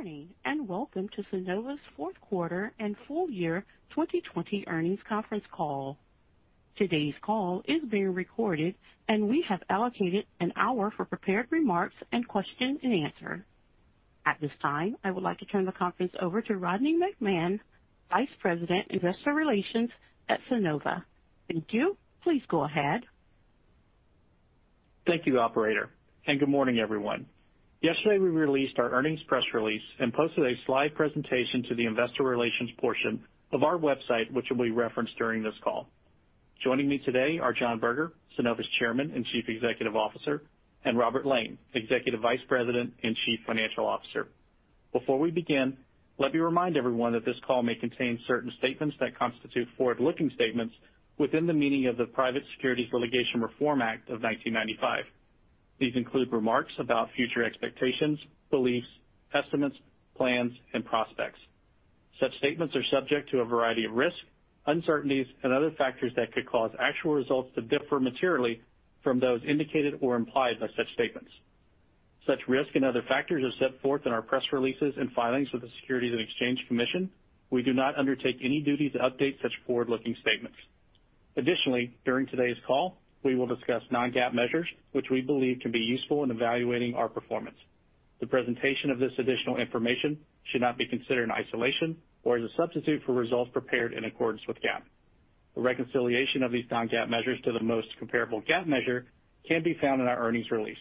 Good morning. Welcome to Sunnova's Fourth Quarter and Full Year 2020 Earnings Conference Call. Today's call is being recorded, and we have allocated an hour for prepared remarks and question and answer. At this time, I would like to turn the conference over to Rodney McMahan, Vice President, Investor Relations at Sunnova. Thank you. Please go ahead. Thank you, operator, and good morning, everyone. Yesterday, we released our earnings press release and posted a slide presentation to the investor relations portion of our website, which will be referenced during this call. Joining me today are John Berger, Sunnova's Chairman and Chief Executive Officer, and Robert Lane, Executive Vice President and Chief Financial Officer. Before we begin, let me remind everyone that this call may contain certain statements that constitute forward-looking statements within the meaning of the Private Securities Litigation Reform Act of 1995. These include remarks about future expectations, beliefs, estimates, plans, and prospects. Such statements are subject to a variety of risks, uncertainties, and other factors that could cause actual results to differ materially from those indicated or implied by such statements. Such risk and other factors are set forth in our press releases and filings with the Securities and Exchange Commission. We do not undertake any duty to update such forward-looking statements. Additionally, during today's call, we will discuss non-GAAP measures which we believe can be useful in evaluating our performance. The presentation of this additional information should not be considered in isolation or as a substitute for results prepared in accordance with GAAP. A reconciliation of these non-GAAP measures to the most comparable GAAP measure can be found in our earnings release.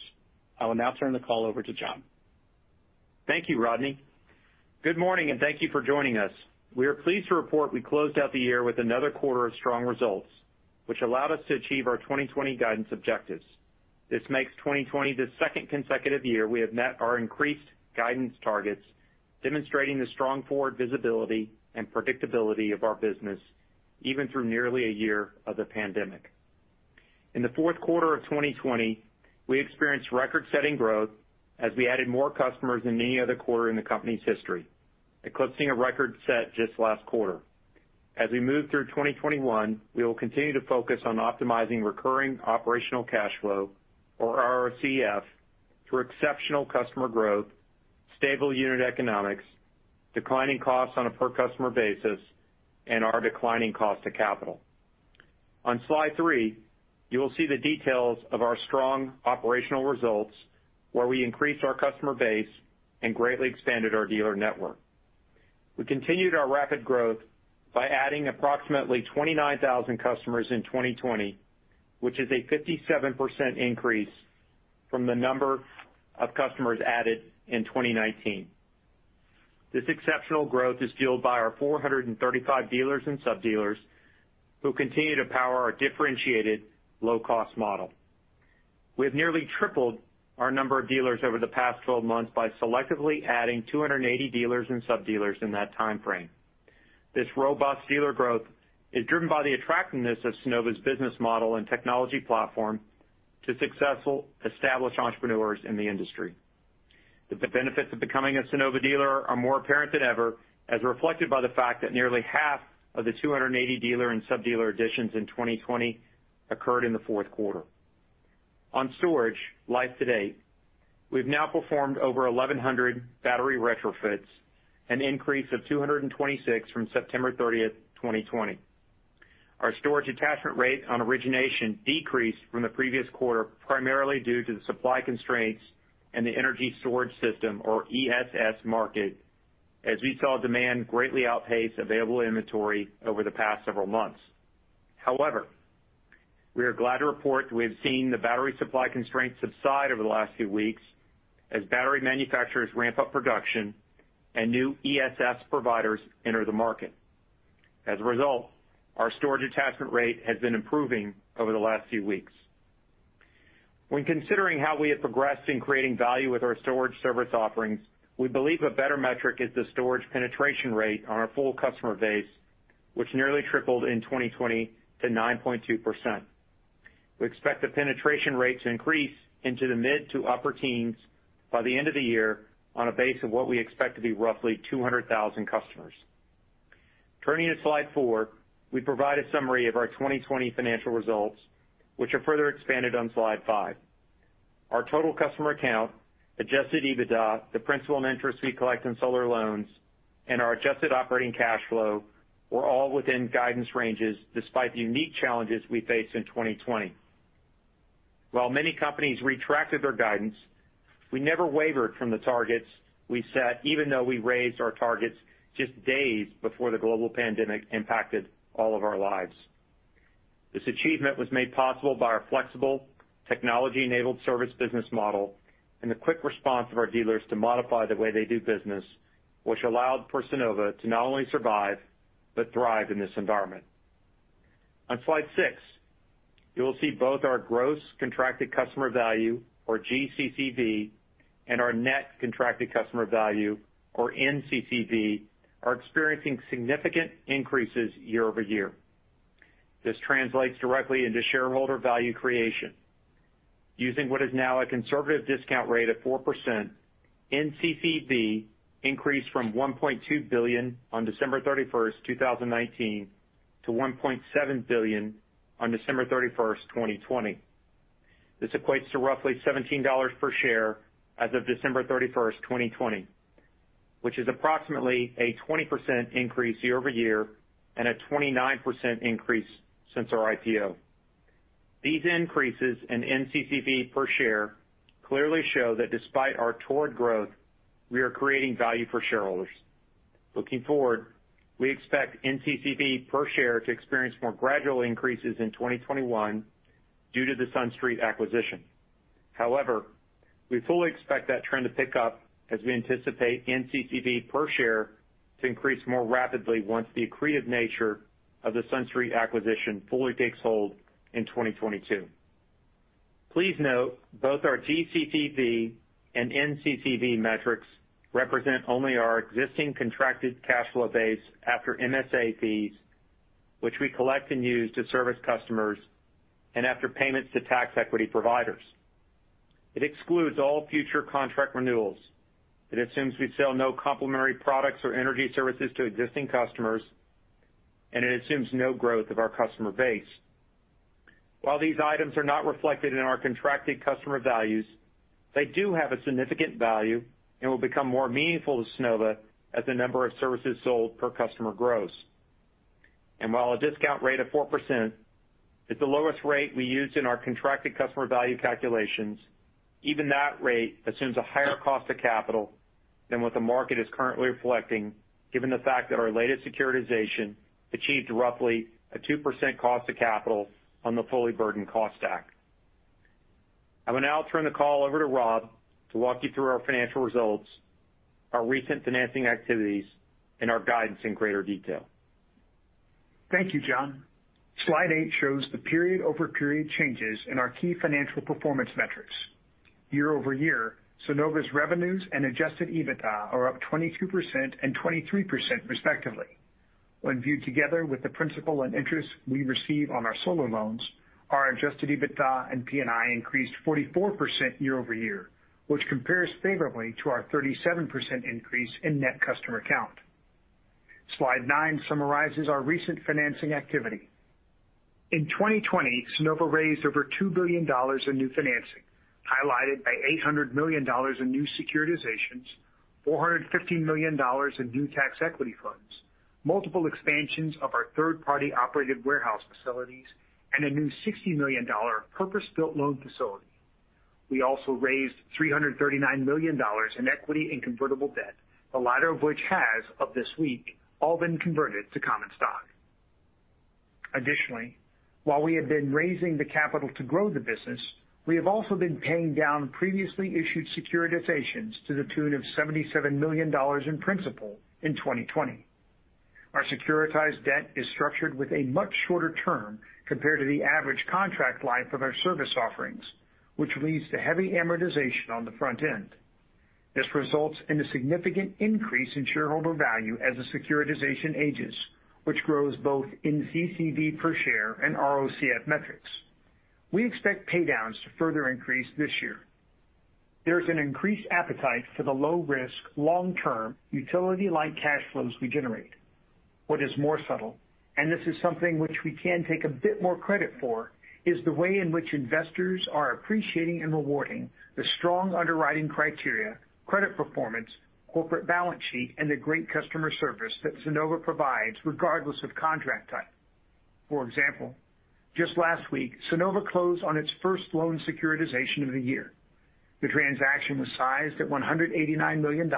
I will now turn the call over to John. Thank you, Rodney. Good morning, and thank you for joining us. We are pleased to report we closed out the year with another quarter of strong results, which allowed us to achieve our 2020 guidance objectives. This makes 2020 the second consecutive year we have met our increased guidance targets, demonstrating the strong forward visibility and predictability of our business even through nearly a year of the pandemic. In the fourth quarter of 2020, we experienced record-setting growth as we added more customers than any other quarter in the company's history, eclipsing a record set just last quarter. As we move through 2021, we will continue to focus on optimizing Recurring Operational Cash Flow, or ROCF, through exceptional customer growth, stable unit economics, declining costs on a per customer basis, and our declining cost of capital. On slide three, you will see the details of our strong operational results, where we increased our customer base and greatly expanded our dealer network. We continued our rapid growth by adding approximately 29,000 customers in 2020, which is a 57% increase from the number of customers added in 2019. This exceptional growth is fueled by our 435 dealers and sub-dealers who continue to power our differentiated low-cost model. We have nearly tripled our number of dealers over the past 12 months by selectively adding 280 dealers and sub-dealers in that timeframe. This robust dealer growth is driven by the attractiveness of Sunnova's business model and technology platform to successful established entrepreneurs in the industry. The benefits of becoming a Sunnova dealer are more apparent than ever, as reflected by the fact that nearly half of the 280 dealer and sub-dealer additions in 2020 occurred in the fourth quarter. On storage, life today, we've now performed over 1,100 battery retrofits, an increase of 226 from September 30th, 2020. Our storage attachment rate on origination decreased from the previous quarter, primarily due to the supply constraints and the energy storage system, or ESS market, as we saw demand greatly outpace available inventory over the past several months. However, we are glad to report we have seen the battery supply constraints subside over the last few weeks as battery manufacturers ramp up production and new ESS providers enter the market. As a result, our storage attachment rate has been improving over the last few weeks. When considering how we have progressed in creating value with our storage service offerings, we believe a better metric is the storage penetration rate on our full customer base, which nearly tripled in 2020 to 9.2%. We expect the penetration rate to increase into the mid to upper teens by the end of the year on a base of what we expect to be roughly 200,000 customers. Turning to slide four, we provide a summary of our 2020 financial results, which are further expanded on slide five. Our total customer count, adjusted EBITDA, the principal and interest we collect on solar loans, and our adjusted operating cash flow were all within guidance ranges despite the unique challenges we faced in 2020. While many companies retracted their guidance, we never wavered from the targets we set, even though we raised our targets just days before the global pandemic impacted all of our lives. This achievement was made possible by our flexible technology-enabled service business model and the quick response of our dealers to modify the way they do business, which allowed for Sunnova to not only survive but thrive in this environment. On slide six, you will see both our gross contracted customer value, or GCCV, and our net contracted customer value, or NCCV, are experiencing significant increases year-over-year. This translates directly into shareholder value creation. Using what is now a conservative discount rate of 4%, NCCV increased from $1.2 billion on December 31st, 2019, to $1.7 billion on December 31st, 2020. This equates to roughly $17 per share as of December 31st, 2020, which is approximately a 20% increase year-over-year and a 29% increase since our IPO. These increases in NCCV per share clearly show that despite our torrid growth, we are creating value for shareholders. Looking forward, we expect NCCV per share to experience more gradual increases in 2021 due to the SunStreet acquisition. However, we fully expect that trend to pick up as we anticipate NCCV per share to increase more rapidly once the accretive nature of the SunStreet acquisition fully takes hold in 2022. Please note both our GCCV and NCCV metrics represent only our existing contracted cash flow base after MSA fees, which we collect and use to service customers, and after payments to tax equity providers. It excludes all future contract renewals. It assumes we sell no complementary products or energy services to existing customers, and it assumes no growth of our customer base. While these items are not reflected in our contracted customer values, they do have a significant value and will become more meaningful to Sunnova as the number of services sold per customer grows. While a discount rate of 4% is the lowest rate we use in our contracted customer value calculations, even that rate assumes a higher cost of capital than what the market is currently reflecting, given the fact that our latest securitization achieved roughly a 2% cost of capital on the fully burdened cost stack. I will now turn the call over to Rob to walk you through our financial results, our recent financing activities, and our guidance in greater detail. Thank you, John. Slide eight shows the period-over-period changes in our key financial performance metrics. Year-over-year, Sunnova's revenues and adjusted EBITDA are up 22% and 23% respectively. When viewed together with the principal and interest we receive on our solar loans, our adjusted EBITDA and P&I increased 44% year-over-year, which compares favorably to our 37% increase in net customer count. Slide nine summarizes our recent financing activity. In 2020, Sunnova raised over $2 billion in new financing, highlighted by $800 million in new securitizations, $450 million in new tax equity funds, multiple expansions of our third-party operated warehouse facilities, and a new $60 million purpose-built loan facility. We also raised $339 million in equity and convertible debt, the latter of which has, of this week, all been converted to common stock. Additionally, while we have been raising the capital to grow the business, we have also been paying down previously issued securitizations to the tune of $77 million in principal in 2020. Our securitized debt is structured with a much shorter term compared to the average contract life of our service offerings, which leads to heavy amortization on the front end. This results in a significant increase in shareholder value as the securitization ages, which grows both NCCV per share and ROCF metrics. We expect paydowns to further increase this year. There is an increased appetite for the low risk, long-term, utility-like cash flows we generate. What is more subtle, and this is something which we can take a bit more credit for, is the way in which investors are appreciating and rewarding the strong underwriting criteria, credit performance, corporate balance sheet, and the great customer service that Sunnova provides regardless of contract type. For example, just last week, Sunnova closed on its first loan securitization of the year. The transaction was sized at $189 million,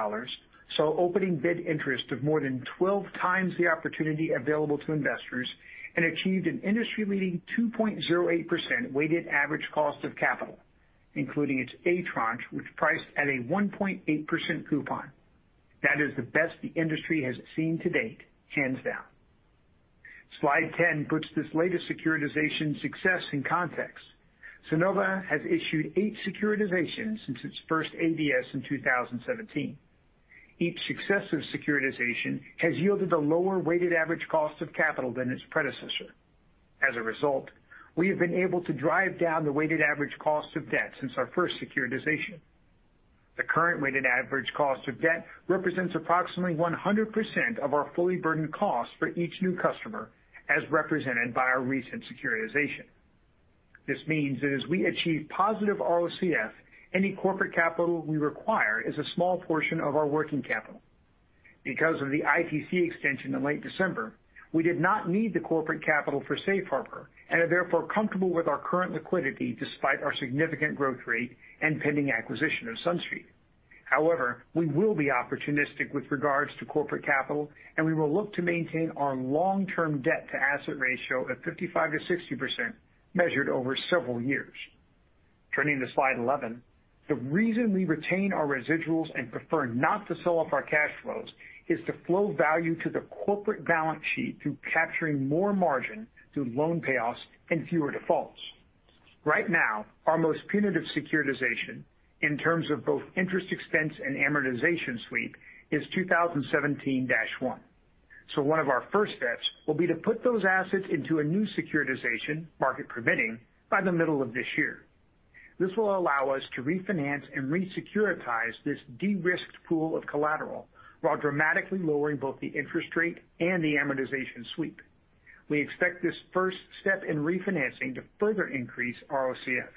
saw opening bid interest of more than 12 times the opportunity available to investors, and achieved an industry-leading 2.08% weighted average cost of capital, including its A tranche, which priced at a 1.8% coupon. That is the best the industry has seen to date, hands down. Slide 10 puts this latest securitization success in context. Sunnova has issued eight securitizations since its first ABS in 2017. Each successive securitization has yielded a lower weighted average cost of capital than its predecessor. We have been able to drive down the weighted average cost of debt since our first securitization. The current weighted average cost of debt represents approximately 100% of our fully burdened cost for each new customer, as represented by our recent securitization. As we achieve positive ROCF, any corporate capital we require is a small portion of our working capital. The ITC extension in late December, we did not need the corporate capital for Safe Harbor and are therefore comfortable with our current liquidity despite our significant growth rate and pending acquisition of SunStreet. We will be opportunistic with regards to corporate capital, and we will look to maintain our long-term debt-to-asset ratio of 55%-60%, measured over several years. Turning to slide 11, the reason we retain our residuals and prefer not to sell off our cash flows is to flow value to the corporate balance sheet through capturing more margin through loan payoffs and fewer defaults. Right now, our most punitive securitization in terms of both interest expense and amortization sweep is 2017-1. One of our first steps will be to put those assets into a new securitization, market permitting, by the middle of this year. This will allow us to refinance and re-securitize this de-risked pool of collateral while dramatically lowering both the interest rate and the amortization sweep. We expect this first step in refinancing to further increase our OCF.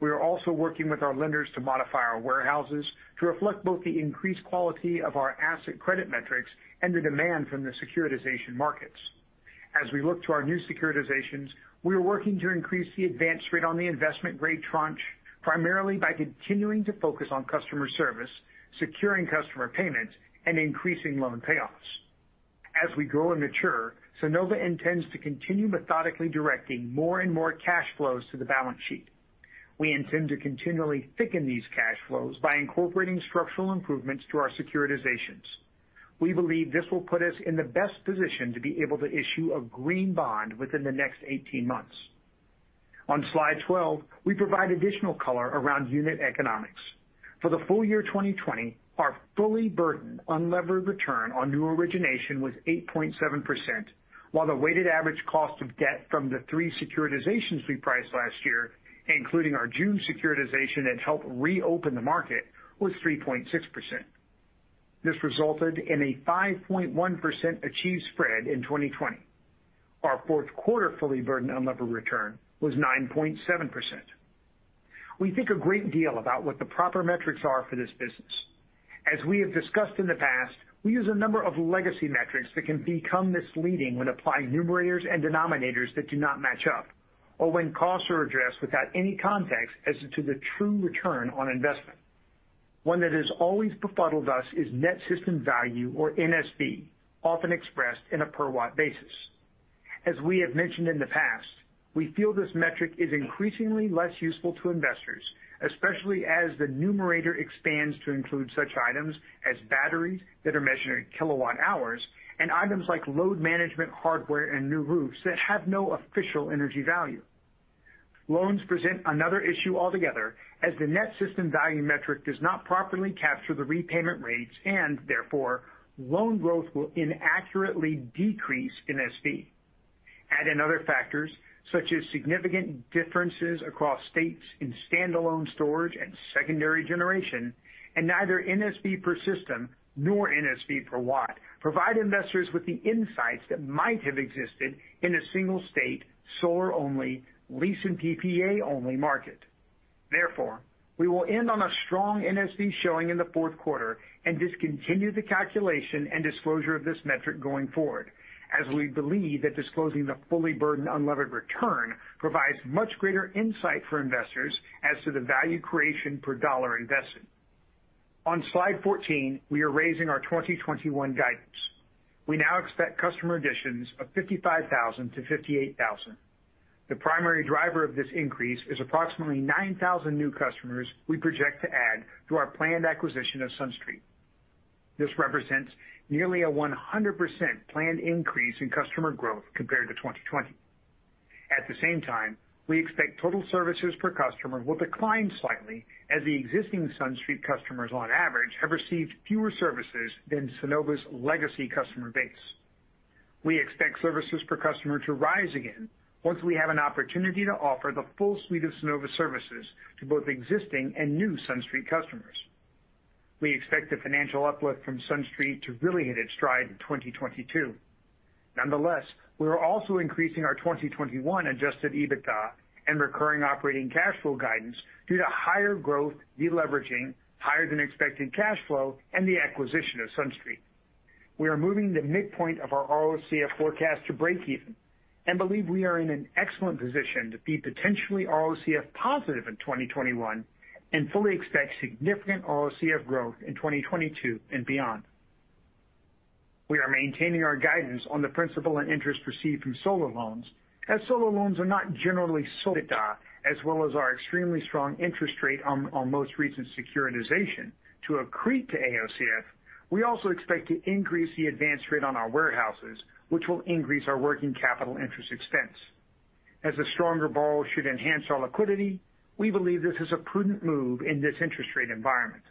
We are also working with our lenders to modify our warehouses to reflect both the increased quality of our asset credit metrics and the demand from the securitization markets. As we look to our new securitizations, we are working to increase the advance rate on the investment-grade tranche, primarily by continuing to focus on customer service, securing customer payments, and increasing loan payoffs. As we grow and mature, Sunnova intends to continue methodically directing more and more cash flows to the balance sheet. We intend to continually thicken these cash flows by incorporating structural improvements to our securitizations. We believe this will put us in the best position to be able to issue a green bond within the next 18 months. On slide 12, we provide additional color around unit economics. For the full year 2020, our fully burdened unlevered return on new origination was 8.7%, while the weighted average cost of debt from the three securitizations we priced last year, including our June securitization that helped reopen the market, was 3.6%. This resulted in a 5.1% achieved spread in 2020. Our fourth quarter fully burdened unlevered return was 9.7%. We think a great deal about what the proper metrics are for this business. As we have discussed in the past, we use a number of legacy metrics that can become misleading when applying numerators and denominators that do not match up, or when costs are addressed without any context as to the true return on investment. One that has always befuddled us is Net System Value, or NSV, often expressed in a per watt basis. As we have mentioned in the past, we feel this metric is increasingly less useful to investors, especially as the numerator expands to include such items as batteries that are measured in kilowatt hours and items like load management hardware and new roofs that have no official energy value. Loans present another issue altogether, as the Net System Value metric does not properly capture the repayment rates and therefore loan growth will inaccurately decrease NSV. Add in other factors, such as significant differences across states in standalone storage and secondary generation, and neither NSV per system nor NSV per watt provide investors with the insights that might have existed in a single state solar only lease and PPA only market. Therefore, we will end on a strong NSV showing in the fourth quarter and discontinue the calculation and disclosure of this metric going forward, as we believe that disclosing the fully burdened unlevered return provides much greater insight for investors as to the value creation per dollar invested. On slide 14, we are raising our 2021 guidance. We now expect customer additions of 55,000 to 58,000. The primary driver of this increase is approximately 9,000 new customers we project to add through our planned acquisition of SunStreet. This represents nearly a 100% planned increase in customer growth compared to 2020. At the same time, we expect total services per customer will decline slightly as the existing SunStreet customers on average have received fewer services than Sunnova's legacy customer base. We expect services per customer to rise again once we have an opportunity to offer the full suite of Sunnova services to both existing and new SunStreet customers. We expect the financial uplift from SunStreet to really hit its stride in 2022. Nonetheless, we are also increasing our 2021 adjusted EBITDA and Recurring Operating Cash Flow guidance due to higher growth de-leveraging, higher than expected cash flow, and the acquisition of SunStreet. We are moving the midpoint of our OCF forecast to breakeven and believe we are in an excellent position to be potentially OCF positive in 2021 and fully expect significant OCF growth in 2022 and beyond. We are maintaining our guidance on the principal and interest received from solar loans as solar loans are not generally EBITDA, as well as our extremely strong interest rate on most recent securitization to accrete to AOCF. The stronger borrow should enhance our liquidity, we believe this is a prudent move in this interest rate environment.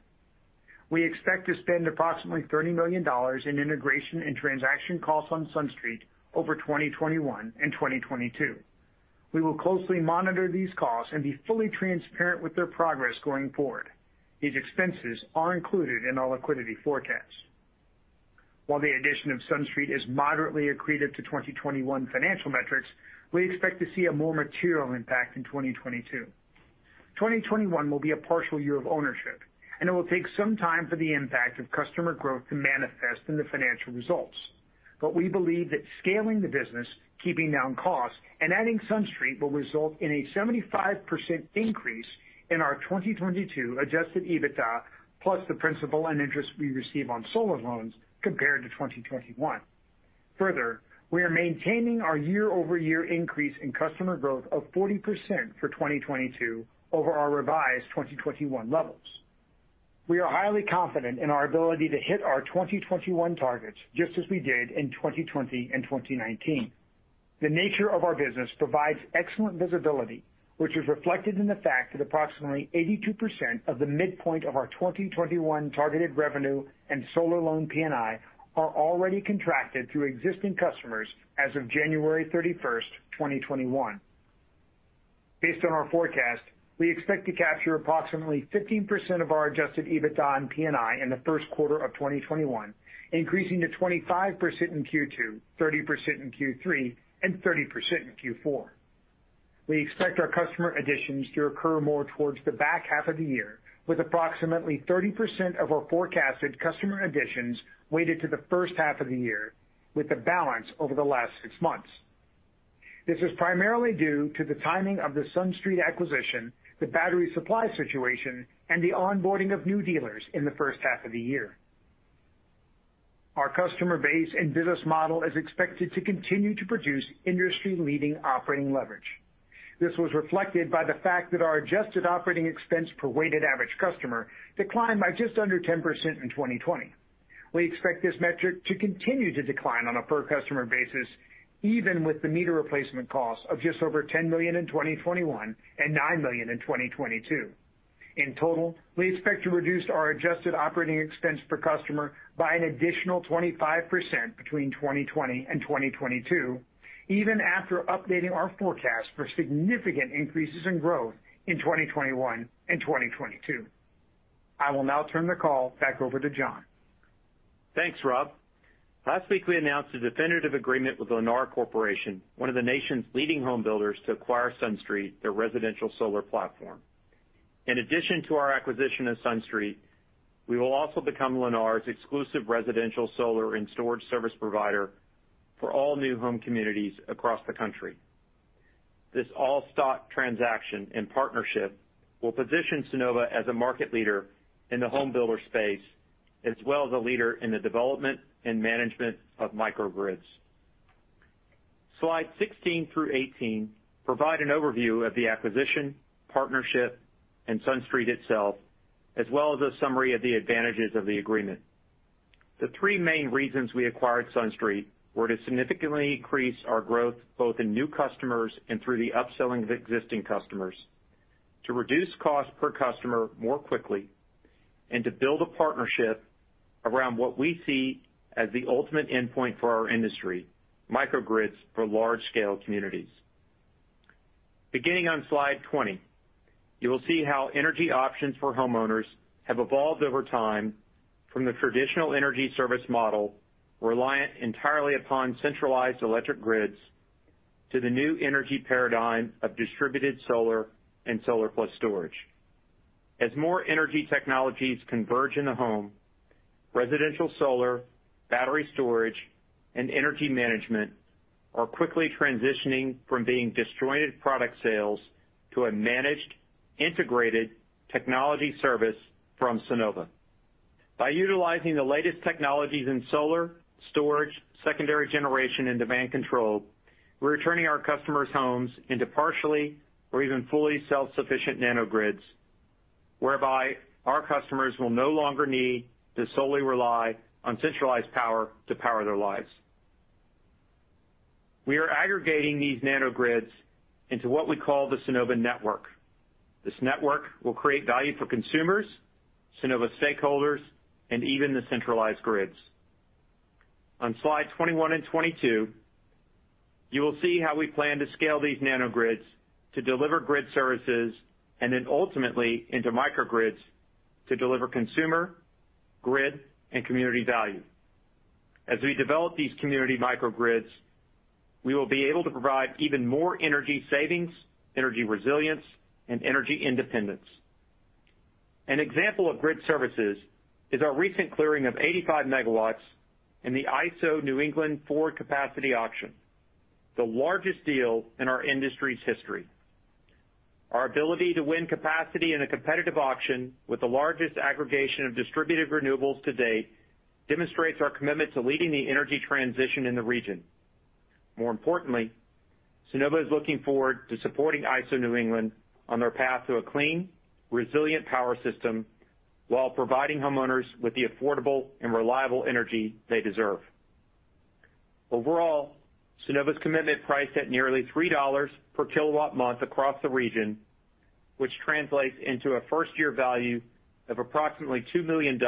We expect to spend approximately $30 million in integration and transaction costs on SunStreet over 2021 and 2022. We will closely monitor these costs and be fully transparent with their progress going forward. These expenses are included in our liquidity forecast. While the addition of SunStreet is moderately accretive to 2021 financial metrics, we expect to see a more material impact in 2022. 2021 will be a partial year of ownership, and it will take some time for the impact of customer growth to manifest in the financial results. We believe that scaling the business, keeping down costs, and adding SunStreet will result in a 75% increase in our 2022 adjusted EBITDA, plus the principal and interest we receive on solar loans compared to 2021. Further, we are maintaining our year-over-year increase in customer growth of 40% for 2022 over our revised 2021 levels. We are highly confident in our ability to hit our 2021 targets, just as we did in 2020 and 2019. The nature of our business provides excellent visibility, which is reflected in the fact that approximately 82% of the midpoint of our 2021 targeted revenue and solar loan P&I are already contracted through existing customers as of January 31st, 2021. Based on our forecast, we expect to capture approximately 15% of our adjusted EBITDA and P&I in the first quarter of 2021, increasing to 25% in Q2, 30% in Q3, and 30% in Q4. We expect our customer additions to occur more towards the back half of the year, with approximately 30% of our forecasted customer additions weighted to the first half of the year, with the balance over the last six months. This is primarily due to the timing of the SunStreet acquisition, the battery supply situation, and the onboarding of new dealers in the first half of the year. Our customer base and business model is expected to continue to produce industry-leading operating leverage. This was reflected by the fact that our adjusted operating expense per weighted average customer declined by just under 10% in 2020. We expect this metric to continue to decline on a per customer basis, even with the meter replacement cost of just over $10 million in 2021 and $9 million in 2022. In total, we expect to reduce our adjusted operating expense per customer by an additional 25% between 2020 and 2022, even after updating our forecast for significant increases in growth in 2021 and 2022. I will now turn the call back over to John. Thanks, Rob. Last week, we announced a definitive agreement with Lennar Corporation, one of the nation's leading home builders, to acquire SunStreet, their residential solar platform. In addition to our acquisition of SunStreet, we will also become Lennar's exclusive residential solar and storage service provider for all new home communities across the country. This all-stock transaction and partnership will position Sunnova as a market leader in the home builder space, as well as a leader in the development and management of microgrids. Slides 16 through 18 provide an overview of the acquisition, partnership, and SunStreet itself, as well as a summary of the advantages of the agreement. The three main reasons we acquired SunStreet were to significantly increase our growth, both in new customers and through the upselling of existing customers, to reduce cost per customer more quickly, and to build a partnership around what we see as the ultimate endpoint for our industry, microgrids for large-scale communities. Beginning on slide 20, you will see how energy options for homeowners have evolved over time from the traditional energy service model, reliant entirely upon centralized electric grids, to the new energy paradigm of distributed solar and solar plus storage. As more energy technologies converge in the home, residential solar, battery storage, and energy management are quickly transitioning from being disjointed product sales to a managed, integrated technology service from Sunnova. By utilizing the latest technologies in solar, storage, secondary generation, and demand control, we're turning our customers' homes into partially or even fully self-sufficient nanogrids, whereby our customers will no longer need to solely rely on centralized power to power their lives. We are aggregating these nanogrids into what we call the Sunnova Network. This network will create value for consumers, Sunnova stakeholders, and even the centralized grids. On slide 21 and 22, you will see how we plan to scale these nanogrids to deliver grid services, and then ultimately into microgrids to deliver consumer, grid, and community value. As we develop these community microgrids, we will be able to provide even more energy savings, energy resilience, and energy independence. An example of grid services is our recent clearing of 85 MW in the ISO New England forward capacity auction, the largest deal in our industry's history. Our ability to win capacity in a competitive auction with the largest aggregation of distributed renewables to date demonstrates our commitment to leading the energy transition in the region. More importantly, Sunnova is looking forward to supporting ISO New England on their path to a clean, resilient power system while providing homeowners with the affordable and reliable energy they deserve. Overall, Sunnova's commitment priced at nearly $3 per kilowatt month across the region, which translates into a first-year value of approximately $2 million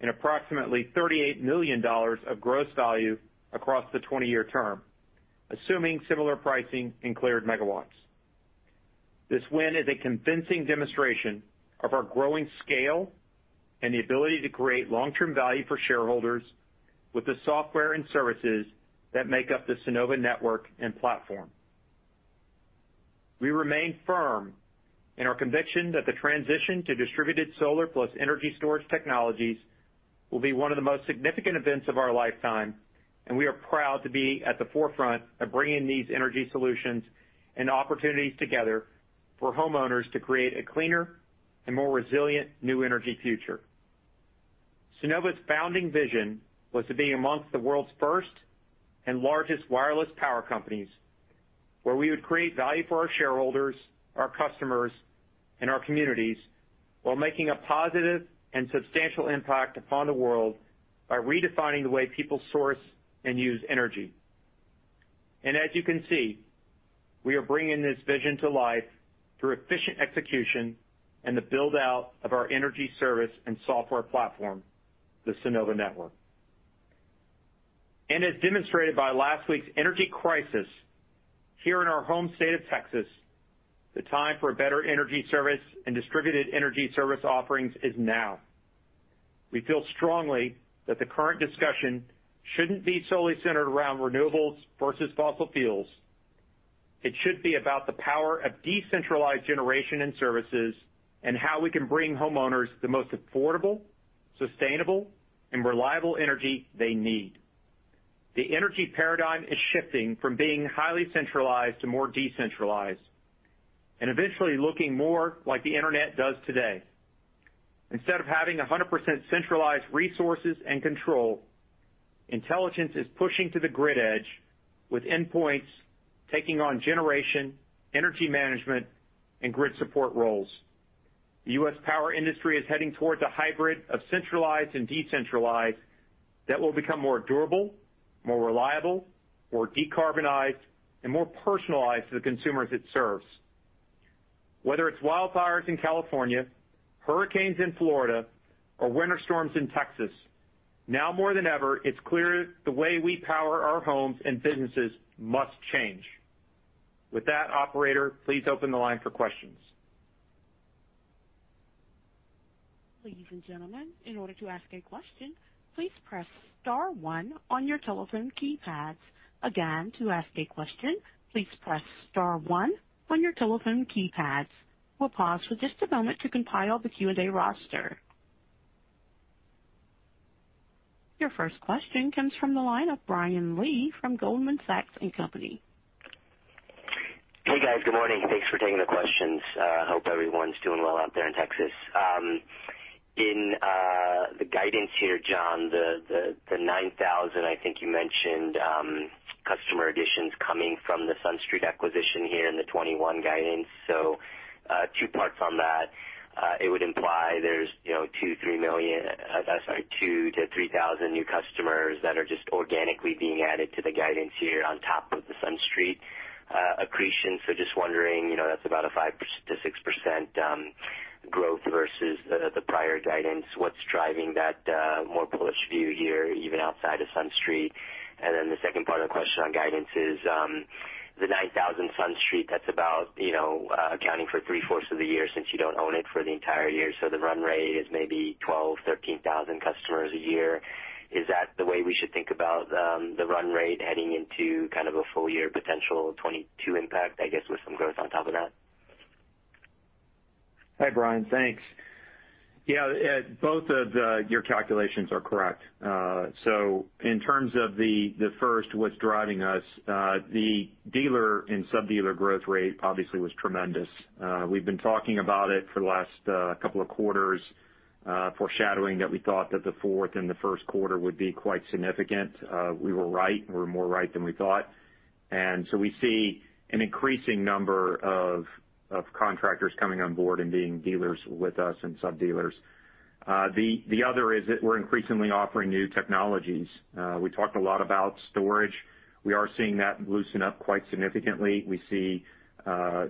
and approximately $38 million of gross value across the 20-year term, assuming similar pricing and cleared megawatts. This win is a convincing demonstration of our growing scale and the ability to create long-term value for shareholders with the software and services that make up the Sunnova Network and platform. We remain firm in our conviction that the transition to distributed solar plus energy storage technologies will be one of the most significant events of our lifetime, and we are proud to be at the forefront of bringing these energy solutions and opportunities together for homeowners to create a cleaner and more resilient new energy future. Sunnova's founding vision was to be amongst the world's first and largest wireless power companies, where we would create value for our shareholders, our customers, and our communities while making a positive and substantial impact upon the world by redefining the way people source and use energy. As you can see, we are bringing this vision to life through efficient execution and the build-out of our energy service and software platform, the Sunnova Network. As demonstrated by last week's energy crisis here in our home state of Texas, the time for better energy service and distributed energy service offerings is now. We feel strongly that the current discussion shouldn't be solely centered around renewables versus fossil fuels. It should be about the power of decentralized generation and services and how we can bring homeowners the most affordable, sustainable, and reliable energy they need. The energy paradigm is shifting from being highly centralized to more decentralized and eventually looking more like the internet does today. Instead of having 100% centralized resources and control, intelligence is pushing to the grid edge with endpoints taking on generation, energy management, and grid support roles. The U.S. power industry is heading towards a hybrid of centralized and decentralized that will become more durable, more reliable, more decarbonized, and more personalized to the consumers it serves. Whether it's wildfires in California, hurricanes in Florida, or winter storms in Texas, now more than ever, it's clear the way we power our homes and businesses must change. With that, operator, please open the line for questions. Ladies and gentlemen, in order to ask a question, please press star one on your telephone keypad. Again, to ask a question, please press star one on your telephone keypad. We'll pause for just a moment to compile the Q&A roster. Your first question comes from the line of Brian Lee from Goldman Sachs & Co. Hey, guys. Good morning. Thanks for taking the questions. I hope everyone's doing well out there in Texas. In the guidance here, John, the 9,000, I think you mentioned, customer additions coming from the SunStreet acquisition here in the 2021 guidance. Two parts on that. It would imply there's 2,000-3,000 new customers that are just organically being added to the guidance here on top of the SunStreet accretion. Just wondering, that's about a 5%-6% growth versus the prior guidance. What's driving that more bullish view here, even outside of SunStreet? The second part of the question on guidance is the 9,000 SunStreet, that's about accounting for three-fourths of the year since you don't own it for the entire year. The run rate is maybe 12,000-13,000 customers a year. Is that the way we should think about the run rate heading into kind of a full-year potential 2022 impact, I guess, with some growth on top of that? Hi, Brian. Thanks. Yeah, both of your calculations are correct. In terms of the first, what's driving us, the dealer and sub-dealer growth rate obviously was tremendous. We've been talking about it for the last couple of quarters, foreshadowing that we thought that the fourth and the first quarter would be quite significant. We were right, and we were more right than we thought. We see an increasing number of contractors coming on board and being dealers with us and sub-dealers. The other is that we're increasingly offering new technologies. We talked a lot about storage. We are seeing that loosen up quite significantly. We see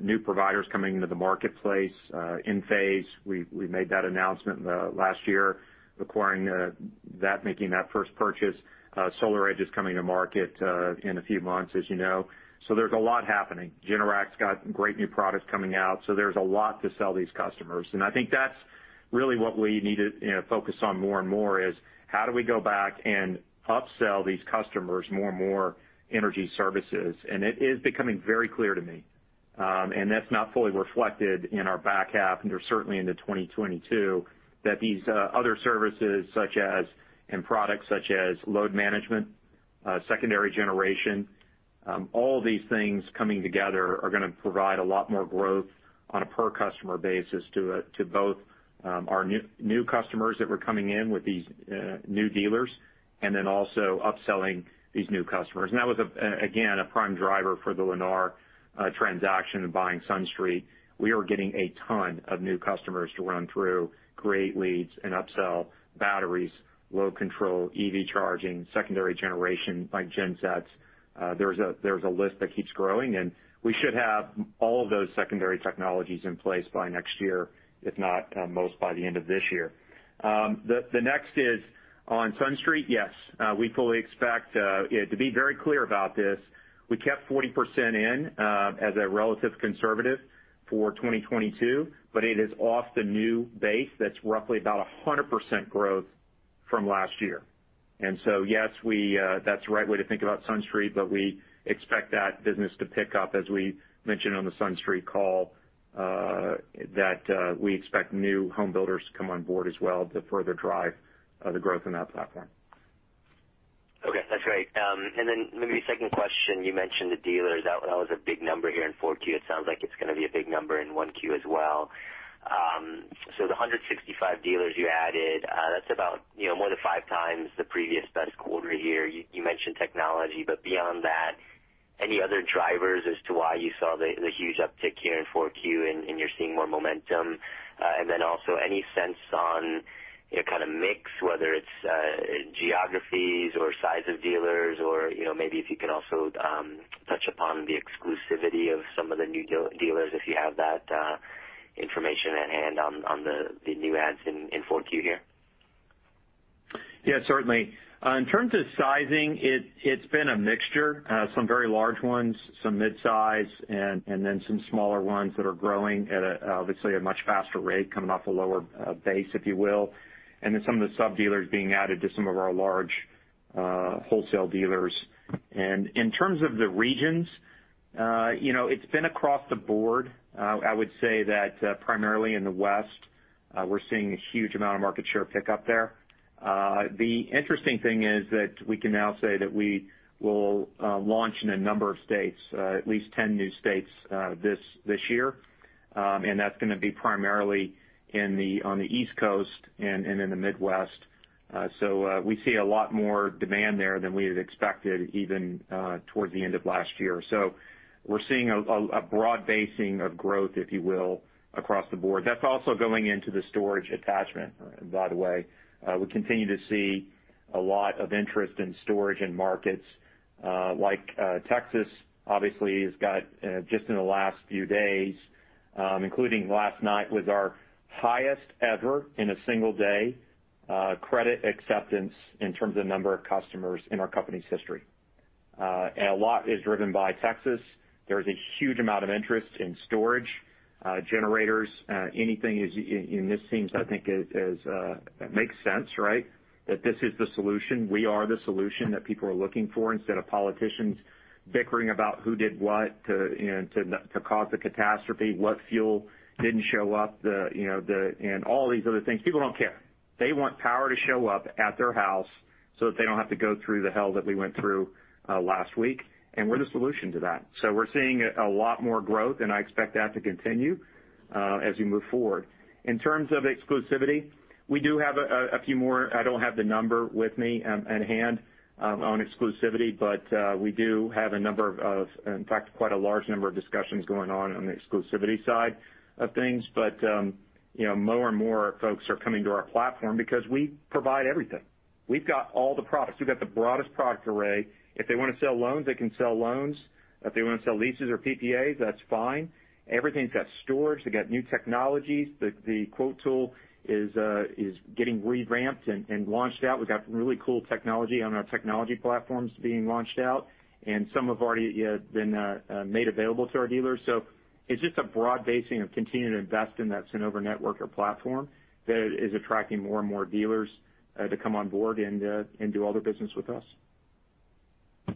new providers coming into the marketplace. Enphase, we made that announcement last year, acquiring that, making that first purchase. SolarEdge is coming to market in a few months, as you know. There's a lot happening. Generac's got great new products coming out. There's a lot to sell these customers. I think that's really what we need to focus on more and more is how do we go back and upsell these customers more and more energy services? It is becoming very clear to me, and that's not fully reflected in our back half, and certainly into 2022, that these other services and products such as load management, secondary generation, all these things coming together are going to provide a lot more growth on a per customer basis to both our new customers that we're coming in with these new dealers and then also upselling these new customers. That was, again, a prime driver for the Lennar transaction and buying SunStreet. We are getting a ton of new customers to run through, great leads, and upsell batteries, load control, EV charging, secondary generation like gensets. There's a list that keeps growing, we should have all of those secondary technologies in place by next year, if not most by the end of this year. The next is on SunStreet. Yes. To be very clear about this, we kept 40% in as a relative conservative for 2022, but it is off the new base that's roughly about 100% growth from last year. Yes, that's the right way to think about SunStreet, but we expect that business to pick up, as we mentioned on the SunStreet call, that we expect new home builders to come on board as well to further drive the growth in that platform. Okay. That's great. Maybe a second question. You mentioned the dealers. That was a big number here in Q4. It sounds like it's going to be a big number in 1Q as well. The 165 dealers you added, that's about more than five times the previous best quarter here. You mentioned technology, but beyond that, any other drivers as to why you saw the huge uptick here in Q4 and you're seeing more momentum? Also any sense on kind of mix, whether it's geographies or size of dealers or maybe if you can also touch upon the exclusivity of some of the new dealers, if you have that information at hand on the new adds in 4Q here. Yes, certainly. In terms of sizing, it's been a mixture. Some very large ones, some mid-size, and then some smaller ones that are growing at obviously a much faster rate coming off a lower base, if you will, and then some of the sub-dealers being added to some of our large wholesale dealers. In terms of the regions, it's been across the board. I would say that primarily in the West, we're seeing a huge amount of market share pickup there. The interesting thing is that we can now say that we will launch in a number of states, at least 10 new states, this year. That's going to be primarily on the East Coast and in the Midwest. We see a lot more demand there than we had expected, even towards the end of last year. We're seeing a broad basing of growth, if you will, across the board. That's also going into the storage attachment, by the way. We continue to see a lot of interest in storage in markets like Texas, obviously, has got just in the last few days, including last night, was our highest ever in a single day credit acceptance in terms of number of customers in our company's history. A lot is driven by Texas. There is a huge amount of interest in storage, generators, anything, and this seems, I think, makes sense, right? That this is the solution. We are the solution that people are looking for instead of politicians bickering about who did what to cause the catastrophe, what fuel didn't show up, and all these other things. People don't care. They want power to show up at their house so that they don't have to go through the hell that we went through last week, and we're the solution to that. We're seeing a lot more growth, and I expect that to continue as we move forward. In terms of exclusivity, we do have a few more. I don't have the number with me on hand on exclusivity, but we do have a number of, in fact, quite a large number of discussions going on the exclusivity side of things. More and more folks are coming to our platform because we provide everything. We've got all the products. We've got the broadest product array. If they want to sell loans, they can sell loans. If they want to sell leases or PPAs, that's fine. Everything's got storage. They got new technologies. The quote tool is getting re-ramped and launched out. We've got some really cool technology on our technology platforms being launched out, and some have already been made available to our dealers. It's just a broad basing of continuing to invest in that Sunnova Network or platform that is attracting more and more dealers to come on board and do all their business with us.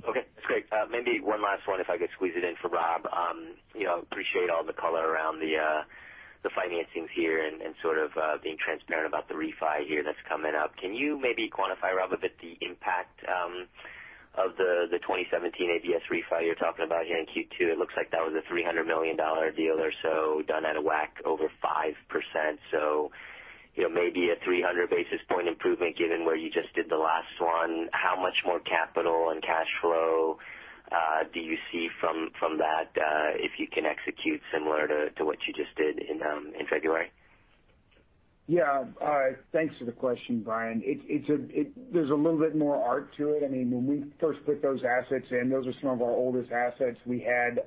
Okay, that's great. Maybe one last one, if I could squeeze it in for Rob. Appreciate all the color around the financings here and sort of being transparent about the refi here that's coming up. Can you maybe quantify, Rob, a bit the impact of the 2017 ABS refi you're talking about here in Q2? It looks like that was a $300 million deal or so done at a WACC over 5%. Maybe a 300 basis point improvement given where you just did the last one. How much more capital and cash flow do you see from that if you can execute similar to what you just did in February? Yeah. Thanks for the question, Brian. There's a little bit more art to it. When we first put those assets in, those were some of our oldest assets we had.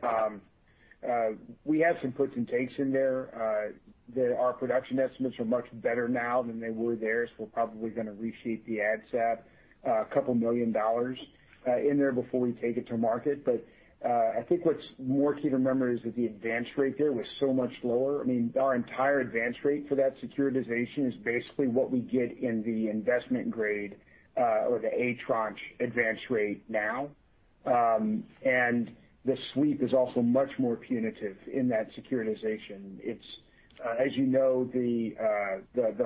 We had some puts and takes in there that our production estimates are much better now than they were there. We're probably going to reshape the asset a couple million dollars in there before we take it to market. I think what's more key to remember is that the advance rate there was so much lower. Our entire advance rate for that securitization is basically what we get in the investment grade or the A tranche advance rate now. The sweep is also much more punitive in that securitization. As you know, the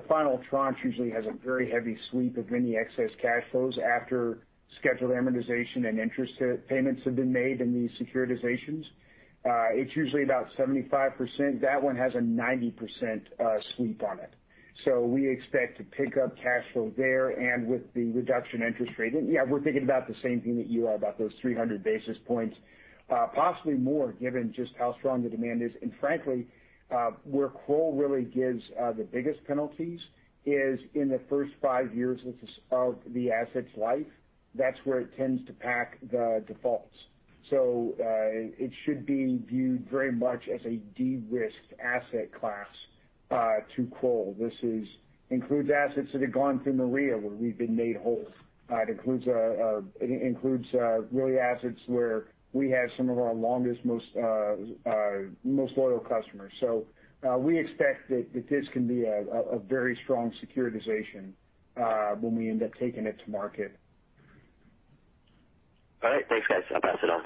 final tranche usually has a very heavy sweep of any excess cash flows after scheduled amortization and interest payments have been made in these securitizations. It's usually about 75%. That one has a 90% sweep on it. We expect to pick up cash flow there and with the reduction interest rate. Yeah, we're thinking about the same thing that you are about those 300 basis points. Possibly more, given just how strong the demand is. Frankly, where Kroll really gives the biggest penalties is in the first five years of the asset's life. That's where it tends to pack the defaults. It should be viewed very much as a de-risked asset class to Kroll. This includes assets that have gone through Maria, where we've been made whole. It includes really assets where we have some of our longest, most loyal customers. We expect that this can be a very strong securitization when we end up taking it to market. All right. Thanks, guys. I'll pass it on.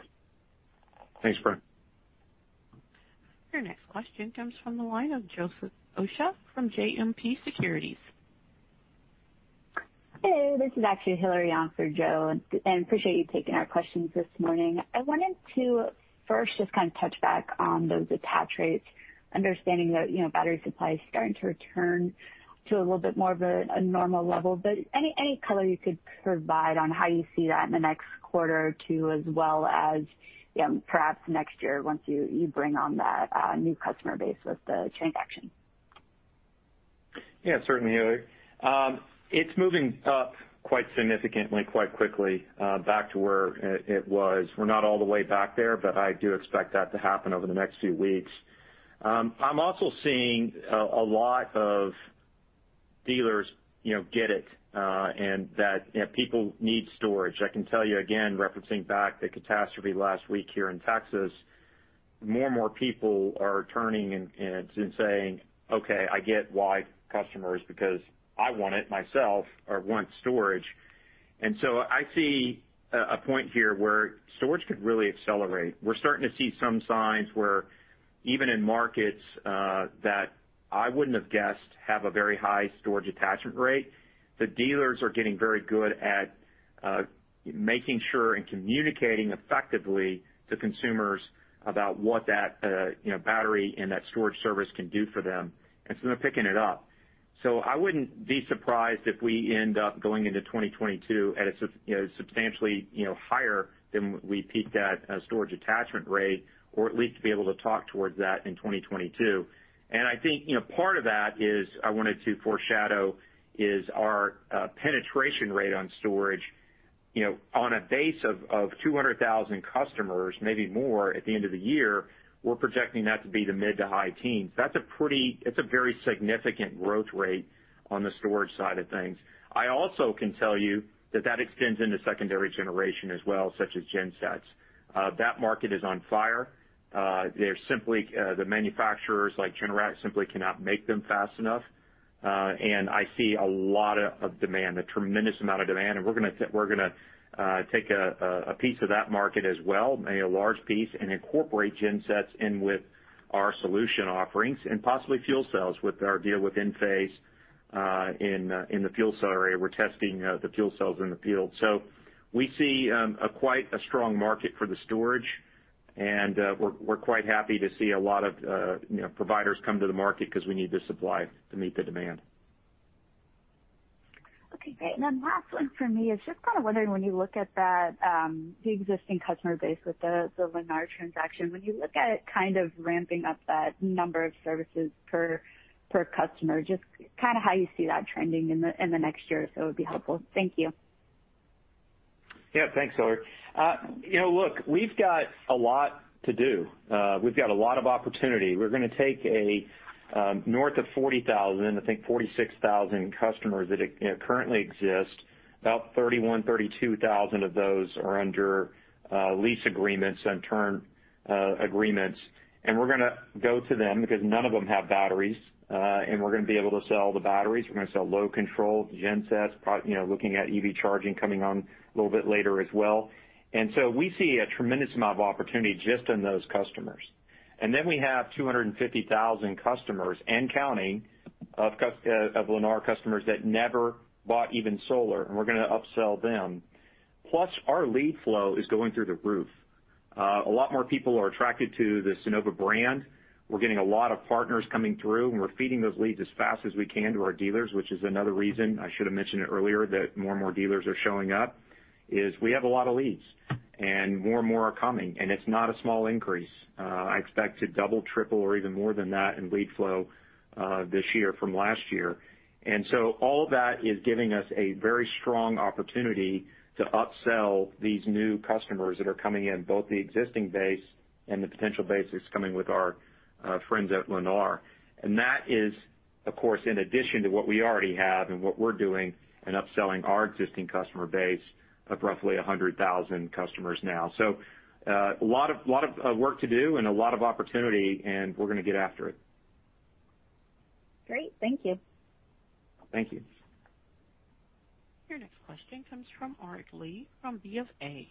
Thanks, Brian. Your next question comes from the line of Joseph Osha from JMP Securities. Hey, this is actually Hilary on for Joe. Appreciate you taking our questions this morning. I wanted to first just kind of touch back on those attach rates, understanding that battery supply is starting to return to a little bit more of a normal level. Any color you could provide on how you see that in the next quarter or two as well as perhaps next year once you bring on that new customer base with the transactions? Yeah, certainly, Hilary. It's moving up quite significantly, quite quickly back to where it was. We're not all the way back there. I do expect that to happen over the next few weeks. I'm also seeing a lot of dealers get it, that people need storage. I can tell you again, referencing back the catastrophe last week here in Texas, more and more people are turning and saying, "Okay, I get why customers, because I want it myself," or want storage. I see a point here where storage could really accelerate. We're starting to see some signs where even in markets that I wouldn't have guessed have a very high storage attachment rate, the dealers are getting very good at making sure and communicating effectively to consumers about what that battery and that storage service can do for them. They're picking it up. I wouldn't be surprised if we end up going into 2022 at a substantially higher than we peaked at storage attachment rate or at least be able to talk towards that in 2022. I think, part of that is I wanted to foreshadow is our penetration rate on storage. On a base of 200,000 customers, maybe more at the end of the year, we're projecting that to be the mid to high teens. That's a very significant growth rate on the storage side of things. I also can tell you that that extends into secondary generation as well, such as gensets. That market is on fire. The manufacturers like Generac simply cannot make them fast enough. I see a lot of demand, a tremendous amount of demand. We're going to take a piece of that market as well, a large piece, and incorporate gensets in with our solution offerings and possibly fuel cells with our deal with Enphase in the fuel cell area. We're testing the fuel cells in the field. We see quite a strong market for the storage, and we're quite happy to see a lot of providers come to the market because we need the supply to meet the demand. Okay, great. Last one from me is just kind of wondering when you look at that the existing customer base with the Lennar transaction, when you look at it kind of ramping up that number of services per customer, just how you see that trending in the next year or so would be helpful. Thank you. Yeah. Thanks, Hilary. Look, we've got a lot to do. We've got a lot of opportunity. We're going to take north of 40,000, I think 46,000 customers that currently exist. About 31,000, 32,000 of those are under lease agreements and term agreements. We're going to go to them because none of them have batteries. We're going to be able to sell the batteries. We're going to sell load control, gensets, looking at EV charging coming on a little bit later as well. We see a tremendous amount of opportunity just in those customers. We have 250,000 customers and counting of Lennar customers that never bought even solar, and we're going to upsell them. Plus, our lead flow is going through the roof. A lot more people are attracted to the Sunnova brand. We're getting a lot of partners coming through, and we're feeding those leads as fast as we can to our dealers, which is another reason, I should have mentioned it earlier, that more and more dealers are showing up, is we have a lot of leads. More and more are coming, and it's not a small increase. I expect to double, triple, or even more than that in lead flow this year from last year. So all that is giving us a very strong opportunity to upsell these new customers that are coming in, both the existing base and the potential base that's coming with our friends at Lennar. That is, of course, in addition to what we already have and what we're doing in upselling our existing customer base of roughly 100,000 customers now. A lot of work to do and a lot of opportunity, and we're going to get after it. Great. Thank you. Thank you. Your next question comes from Aric Li from BofA.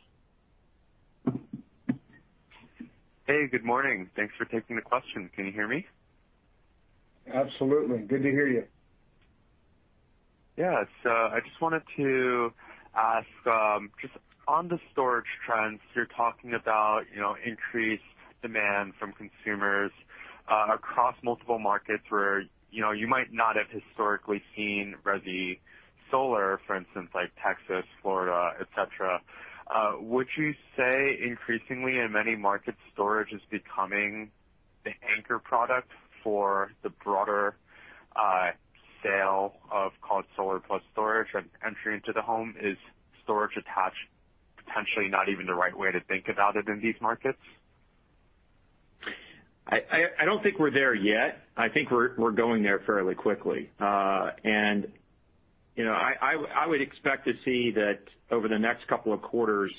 Hey, good morning. Thanks for taking the question. Can you hear me? Absolutely. Good to hear you. Yeah. I just wanted to ask, just on the storage trends, you're talking about increased demand from consumers across multiple markets where you might not have historically seen resi solar, for instance, like Texas, Florida, et cetera. Would you say increasingly in many markets, storage is becoming the anchor product for the broader sale of called solar plus storage and entry into the home? Is storage attached potentially not even the right way to think about it in these markets? I don't think we're there yet. I think we're going there fairly quickly. I would expect to see that over the next couple of quarters,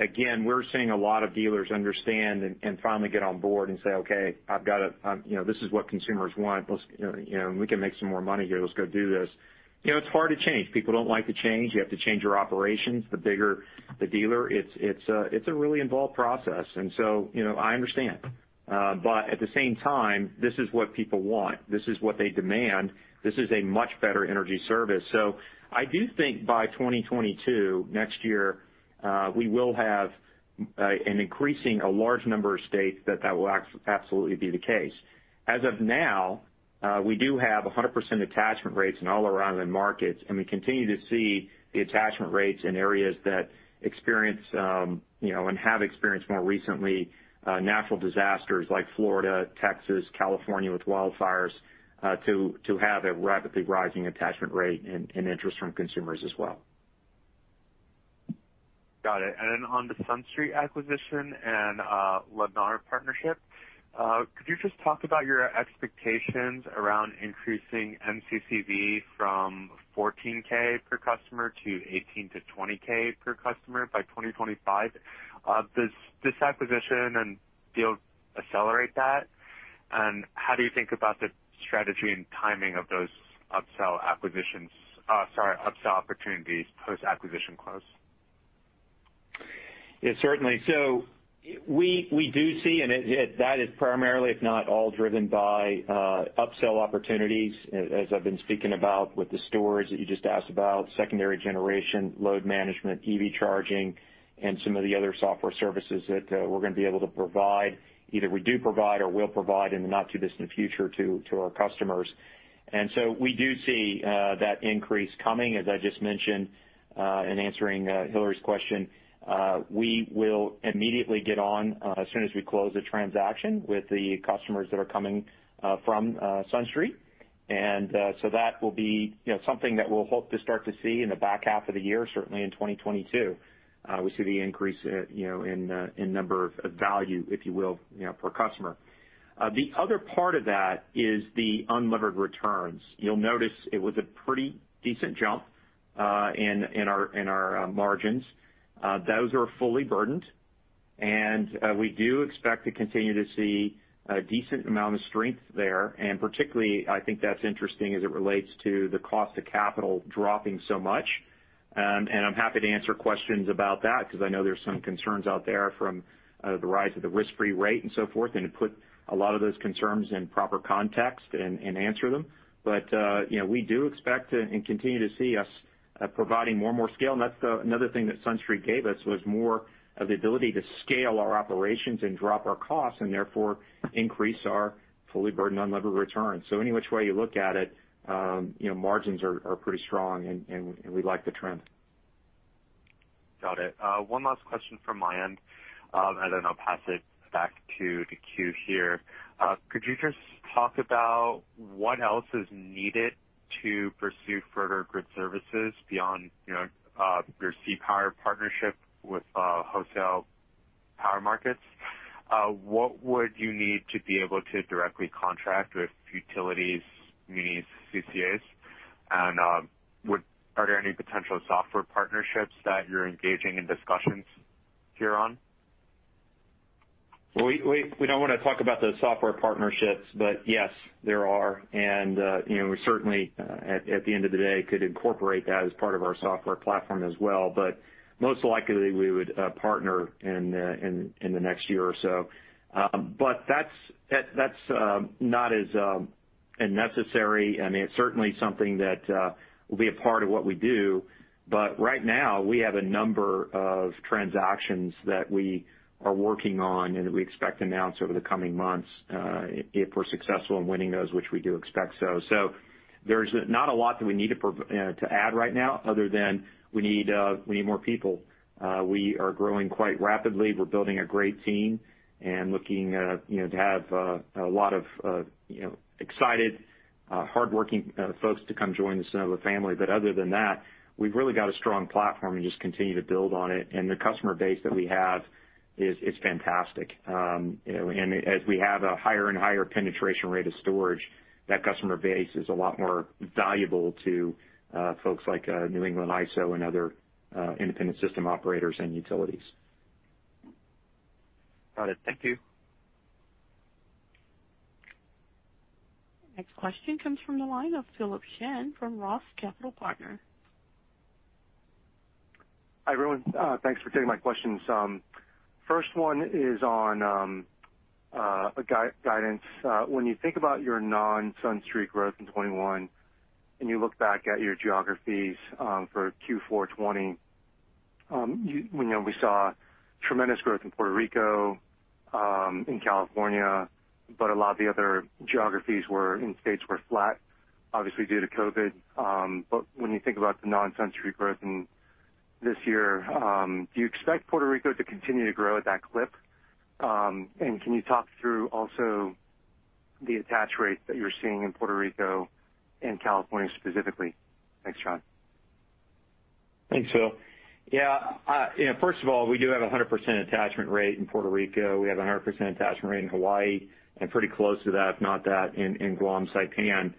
again, we're seeing a lot of dealers understand and finally get on board and say, "Okay, this is what consumers want. We can make some more money here. Let's go do this." It's hard to change. People don't like to change. You have to change your operations, the bigger the dealer. It's a really involved process. I understand. At the same time, this is what people want. This is what they demand. This is a much better energy service. I do think by 2022, next year, we will have an increasing a large number of states that that will absolutely be the case. As of now, we do have 100% attachment rates in all our island markets, and we continue to see the attachment rates in areas that experience, and have experienced more recently, natural disasters like Florida, Texas, California with wildfires to have a rapidly rising attachment rate and interest from consumers as well. Got it. On the SunStreet acquisition and Lennar partnership, could you just talk about your expectations around increasing NCCV from 14,000 per customer to 18,000-20,000 per customer by 2025? Does this acquisition and deal accelerate that? How do you think about the strategy and timing of those upsell opportunities post-acquisition close? Yes, certainly. We do see, and that is primarily, if not all, driven by upsell opportunities, as I've been speaking about with the storage that you just asked about, secondary generation, load management, EV charging, and some of the other software services that we're going to be able to provide, either we do provide or will provide in the not-too-distant future to our customers. We do see that increase coming. As I just mentioned in answering Hilary's question, we will immediately get on as soon as we close the transaction with the customers that are coming from SunStreet. That will be something that we'll hope to start to see in the back half of the year, certainly in 2022. We see the increase in number of value, if you will, per customer. The other part of that is the unlevered returns. You'll notice it was a pretty decent jump in our margins. Those are fully burdened, and we do expect to continue to see a decent amount of strength there. Particularly, I think that's interesting as it relates to the cost of capital dropping so much. I'm happy to answer questions about that because I know there's some concerns out there from the rise of the risk-free rate and so forth, and to put a lot of those concerns in proper context and answer them. We do expect and continue to see us providing more and more scale. That's another thing that SunStreet gave us, was more of the ability to scale our operations and drop our costs, and therefore increase our fully burdened unlevered returns. Any which way you look at it, margins are pretty strong and we like the trend. Got it. One last question from my end, and then I'll pass it back to the queue here. Could you just talk about what else is needed to pursue further grid services beyond your CPower partnership with wholesale power markets? What would you need to be able to directly contract with utilities, municipalities, CCAs? Are there any potential software partnerships that you're engaging in discussions here on? We don't want to talk about those software partnerships, yes, there are. We certainly, at the end of the day, could incorporate that as part of our software platform as well. Most likely, we would partner in the next year or so. That's not as necessary. I mean, it's certainly something that will be a part of what we do. Right now, we have a number of transactions that we are working on and that we expect to announce over the coming months if we're successful in winning those, which we do expect so. There's not a lot that we need to add right now other than we need more people. We are growing quite rapidly. We're building a great team and looking to have a lot of excited, hardworking folks to come join the Sunnova family. Other than that, we've really got a strong platform and just continue to build on it. The customer base that we have is fantastic. As we have a higher and higher penetration rate of storage, that customer base is a lot more valuable to folks like New England ISO and other independent system operators and utilities. Got it. Thank you. Next question comes from the line of Philip Shen from Roth Capital Partners. Hi, everyone. Thanks for taking my questions. First one is on guidance. When you think about your non-SunStreet growth in 2021, you look back at your geographies for Q4 2020, we saw tremendous growth in Puerto Rico, in California, a lot of the other geographies in states were flat, obviously due to COVID. When you think about the non-SunStreet growth in this year, do you expect Puerto Rico to continue to grow at that clip? Can you talk through also the attach rates that you're seeing in Puerto Rico and California specifically? Thanks, John. Thanks, Phil. Yeah. First of all, we do have 100% attachment rate in Puerto Rico. We have 100% attachment rate in Hawaii, pretty close to that, if not that, in Guam, Saipan.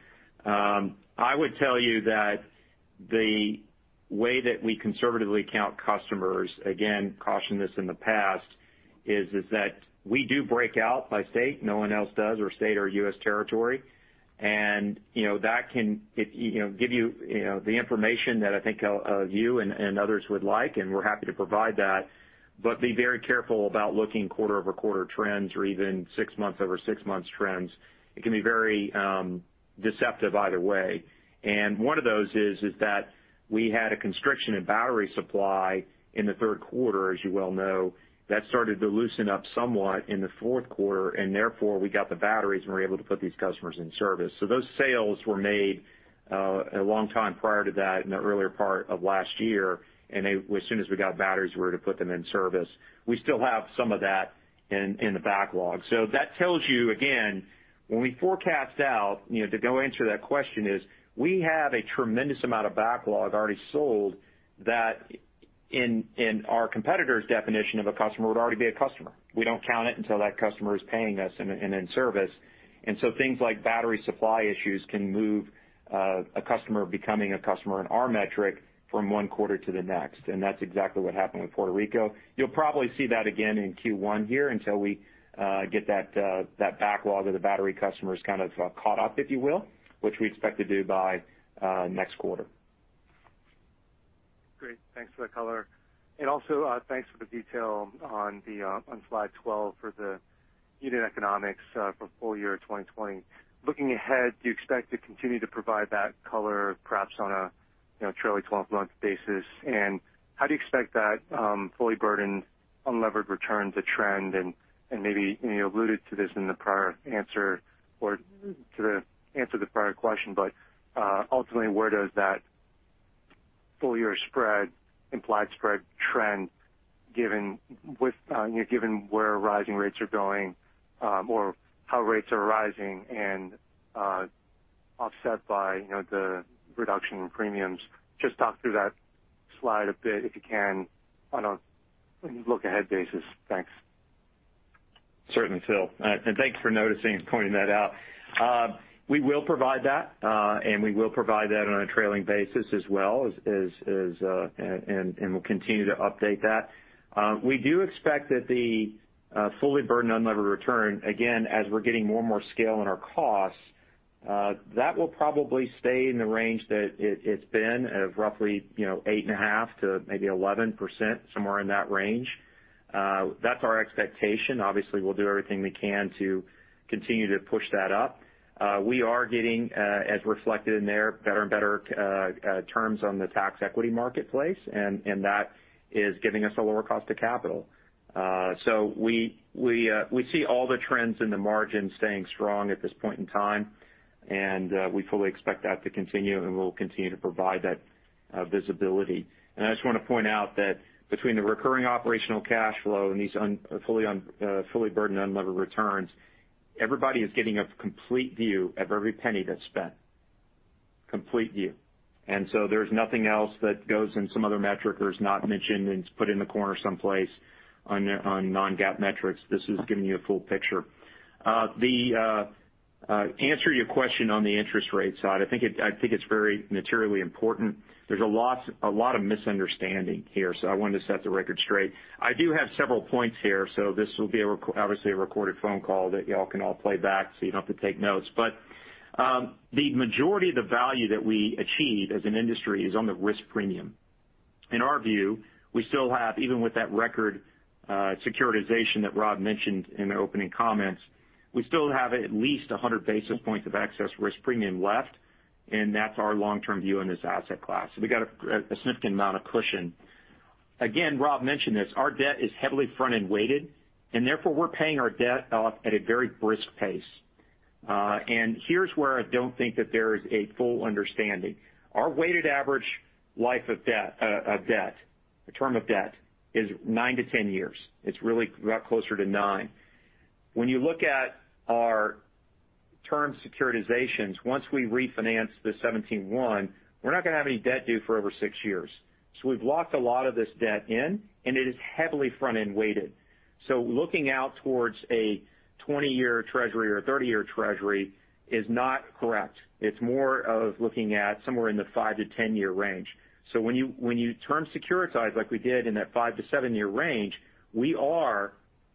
I would tell you that the way that we conservatively count customers, again, cautioned this in the past, is that we do break out by state. No one else does, or state or U.S. territory. That can give you the information that I think you and others would like, and we're happy to provide that. Be very careful about looking quarter-over-quarter trends or even six months over six months trends. It can be very deceptive either way. One of those is that we had a constriction in battery supply in the third quarter, as you well know. That started to loosen up somewhat in the fourth quarter, and therefore we got the batteries and were able to put these customers in service. Those sales were made a long time prior to that in the earlier part of last year. As soon as we got batteries, we were to put them in service. We still have some of that in the backlog. That tells you, again, when we forecast out, to go answer that question, is we have a tremendous amount of backlog already sold that in our competitor's definition of a customer would already be a customer. We don't count it until that customer is paying us and in service. Things like battery supply issues can move a customer becoming a customer in our metric from one quarter to the next, and that's exactly what happened with Puerto Rico. You'll probably see that again in Q1 here until we get that backlog of the battery customers kind of caught up, if you will, which we expect to do by next quarter. Great. Thanks for the color. Also, thanks for the detail on slide 12 for the unit economics for full year 2020. Looking ahead, do you expect to continue to provide that color perhaps on a trailing 12-month basis? How do you expect that fully burdened, unlevered returns to trend? Maybe you alluded to this in the prior answer or to the answer to the prior question, ultimately, where does that full-year spread, implied spread trend, given where rising rates are going, or how rates are rising and offset by the reduction in premiums? Just talk through that slide a bit, if you can, on a look ahead basis. Thanks. Certainly, Phil. Thanks for noticing and pointing that out. We will provide that, we will provide that on a trailing basis as well as we'll continue to update that. We do expect that the fully burdened unlevered return, again, as we're getting more and more scale in our costs, that will probably stay in the range that it's been of roughly, 8.5%-11%, somewhere in that range. That's our expectation. Obviously, we'll do everything we can to continue to push that up. We are getting, as reflected in there, better and better terms on the tax equity marketplace, that is giving us a lower cost of capital. We see all the trends in the margin staying strong at this point in time, we fully expect that to continue, we will continue to provide that visibility. I just want to point out that between the Recurring Operational Cash Flow and these fully burdened unlevered returns, everybody is getting a complete view of every penny that's spent. Complete view. There's nothing else that goes in some other metric or is not mentioned and it's put in the corner someplace on non-GAAP metrics. This is giving you a full picture. The answer to your question on the interest rate side, I think it's very materially important. There's a lot of misunderstanding here, so I wanted to set the record straight. I do have several points here, so this will be obviously a recorded phone call that y'all can all play back so you don't have to take notes. The majority of the value that we achieve as an industry is on the risk premium. In our view, we still have, even with that record securitization that Rob mentioned in the opening comments, we still have at least 100 basis points of excess risk premium left. That's our long-term view in this asset class. We got a significant amount of cushion. Again, Rob mentioned this, our debt is heavily front-end weighted. Therefore we're paying our debt off at a very brisk pace. Here's where I don't think that there is a full understanding. Our weighted average life of debt, the term of debt, is nine to 10 years. It's really about closer to nine. When you look at our term securitizations, once we refinance the 2017-1, we're not going to have any debt due for over six years. We've locked a lot of this debt in. It is heavily front-end weighted. Looking out towards a 20-year treasury or a 30-year treasury is not correct. It's more of looking at somewhere in the 5-10-year range. When you term securitize, like we did in that five-seven-year range, we are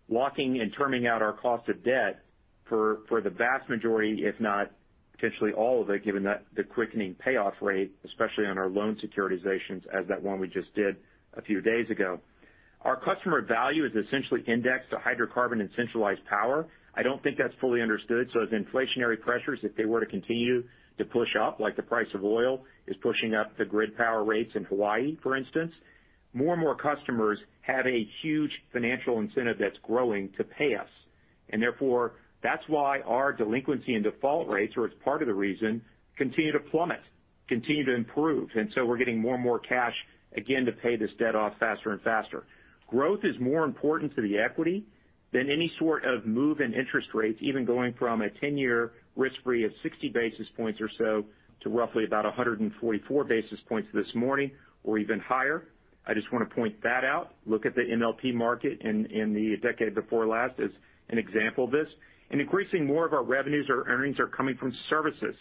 locking and terming out our cost of debt for the vast majority, if not potentially all of it, given the quickening payoff rate, especially on our loan securitizations as that one we just did a few days ago. Our customer value is essentially indexed to hydrocarbon and centralized power. I don't think that's fully understood. As inflationary pressures, if they were to continue to push up, like the price of oil is pushing up the grid power rates in Hawaii, for instance, more and more customers have a huge financial incentive that's growing to pay us. Therefore, that's why our delinquency and default rates are as part of the reason, continue to plummet, continue to improve. So we're getting more and more cash, again, to pay this debt off faster and faster. Growth is more important to the equity than any sort of move in interest rates, even going from a 10-year risk-free of 60 basis points or so to roughly about 144 basis points this morning, or even higher. I just want to point that out. Look at the MLP market in the decade before last as an example of this. Increasingly more of our revenues or earnings are coming from services,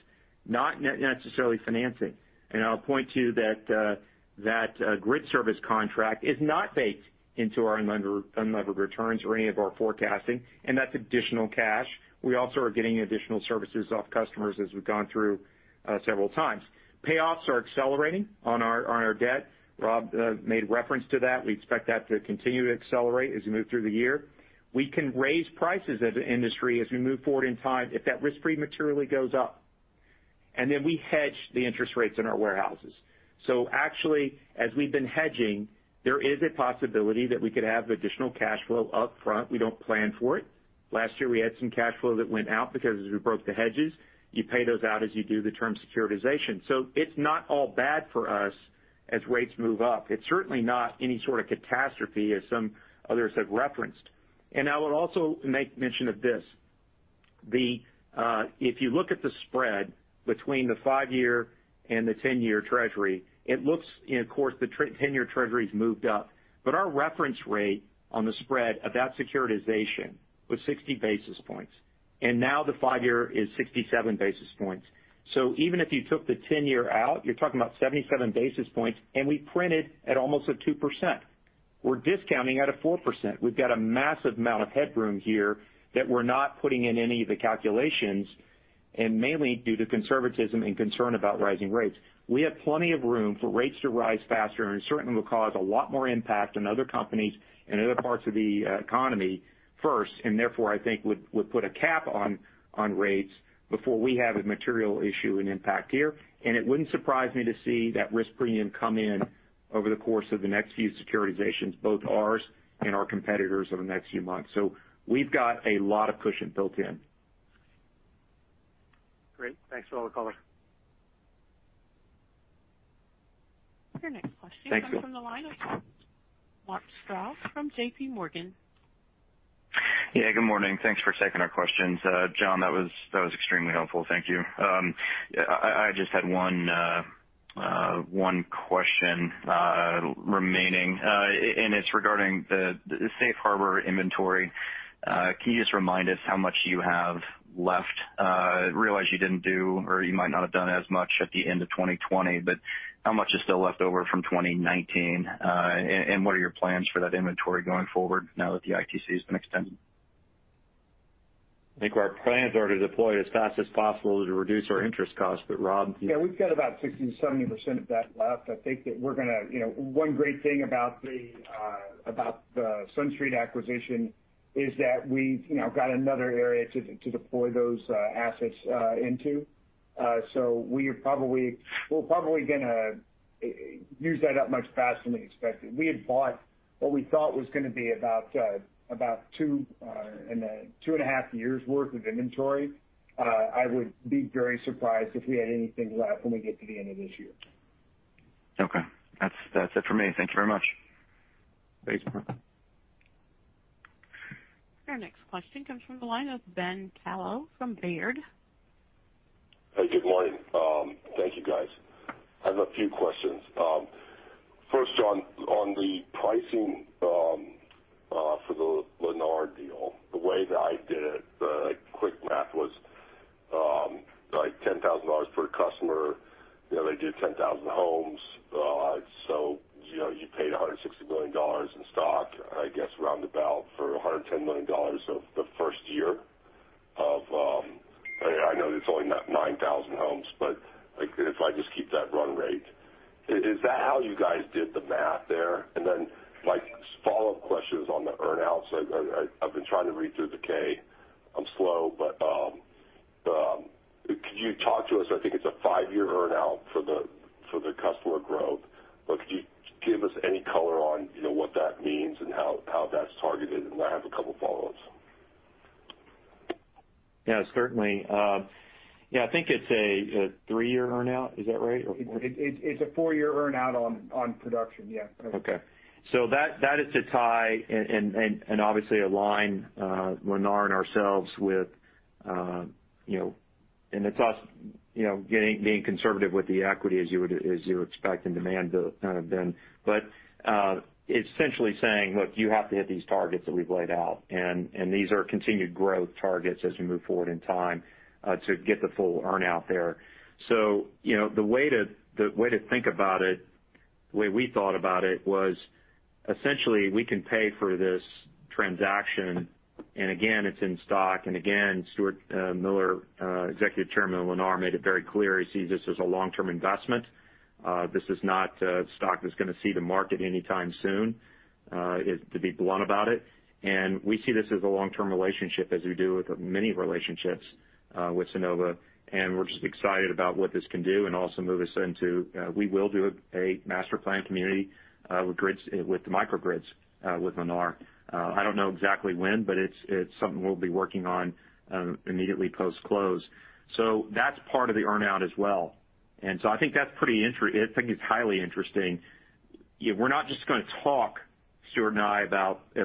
not necessarily financing. I'll point to that grid service contract is not baked into our unlevered returns or any of our forecasting, and that's additional cash. We also are getting additional services off customers as we've gone through several times. Payoffs are accelerating on our debt. Rob made reference to that. We expect that to continue to accelerate as we move through the year. We can raise prices as an industry as we move forward in time if that risk-free materially goes up. We hedge the interest rates in our warehouses. As we've been hedging, there is a possibility that we could have additional cash flow up front. We don't plan for it. Last year, we had some cash flow that went out because as we broke the hedges, you pay those out as you do the term securitization. It's not all bad for us as rates move up. It's certainly not any sort of catastrophe as some others have referenced. I would also make mention of this. If you look at the spread between the five-year and the 10-year treasury, it looks, of course, the 10-year treasury's moved up. Our reference rate on the spread of that securitization was 60 basis points, and now the five-year is 67 basis points. Even if you took the 10-year out, you're talking about 77 basis points, and we printed at almost at 2%. We're discounting at a 4%. We've got a massive amount of headroom here that we're not putting in any of the calculations, and mainly due to conservatism and concern about rising rates. We have plenty of room for rates to rise faster, and it certainly will cause a lot more impact on other companies and other parts of the economy first, and therefore, I think would put a cap on rates before we have a material issue and impact here. It wouldn't surprise me to see that risk premium come in over the course of the next few securitizations, both ours and our competitors over the next few months. We've got a lot of cushion built in. Great. Thanks for all the color. Your next question- Thank you.... comes from the line of Mark Strouse from JPMorgan. Yeah, good morning. Thanks for taking our questions. John, that was extremely helpful. Thank you. I just had one question remaining. It's regarding the Safe Harbor inventory. Can you just remind us how much you have left? I realize you didn't do, or you might not have done as much at the end of 2020. How much is still left over from 2019? What are your plans for that inventory going forward now that the ITC has been extended? I think our plans are to deploy as fast as possible to reduce our interest cost. Rob, do you- Yeah, we've got about 60%, 70% of that left. I think that one great thing about the SunStreet acquisition is that we've got another area to deploy those assets into. We'll probably use that up much faster than we expected. We had bought what we thought was going to be about 2.5 years worth of inventory. I would be very surprised if we had anything left when we get to the end of this year. Okay. That's it for me. Thank you very much. Thanks, Mark. Our next question comes from the line of Ben Kallo from Baird. Hey, good morning. Thank you, guys. I have a few questions. First, John, on the pricing for the Lennar deal, the way that I did it, the quick math was like $10,000 per customer. They did 10,000 homes. You paid $160 million in stock, I guess, round about for $110 million of the first year of I know it's only 9,000 homes, but if I just keep that run rate. Is that how you guys did the math there? My follow-up question is on the earn-outs. I've been trying to read through the K. I'm slow, but could you talk to us, I think it's a five-year earn-out for the customer growth, but could you give us any color on what that means and how that's targeted? I have a couple of follow-ups. Yeah, certainly. Yeah, I think it's a three-year earn-out. Is that right? Or four? It's a four-year earn-out on production, yeah. Okay. That is to tie and obviously align Lennar and ourselves with It's us being conservative with the equity as you would expect and demand, Ben. It's essentially saying, look, you have to hit these targets that we've laid out, and these are continued growth targets as we move forward in time to get the full earn-out there. The way to think about it, the way we thought about it was essentially we can pay for this transaction, and again, it's in stock, and again, Stuart Miller, Executive Chairman of Lennar, made it very clear he sees this as a long-term investment. This is not stock that's going to see the market anytime soon, to be blunt about it. We see this as a long-term relationship as we do with many relationships with Sunnova, and we're just excited about what this can do and also We will do a master plan community with the microgrids with Lennar. I don't know exactly when, it's something we'll be working on immediately post-close. That's part of the earn-out as well. I think it's highly interesting. We're not just going to talk, Stuart and I,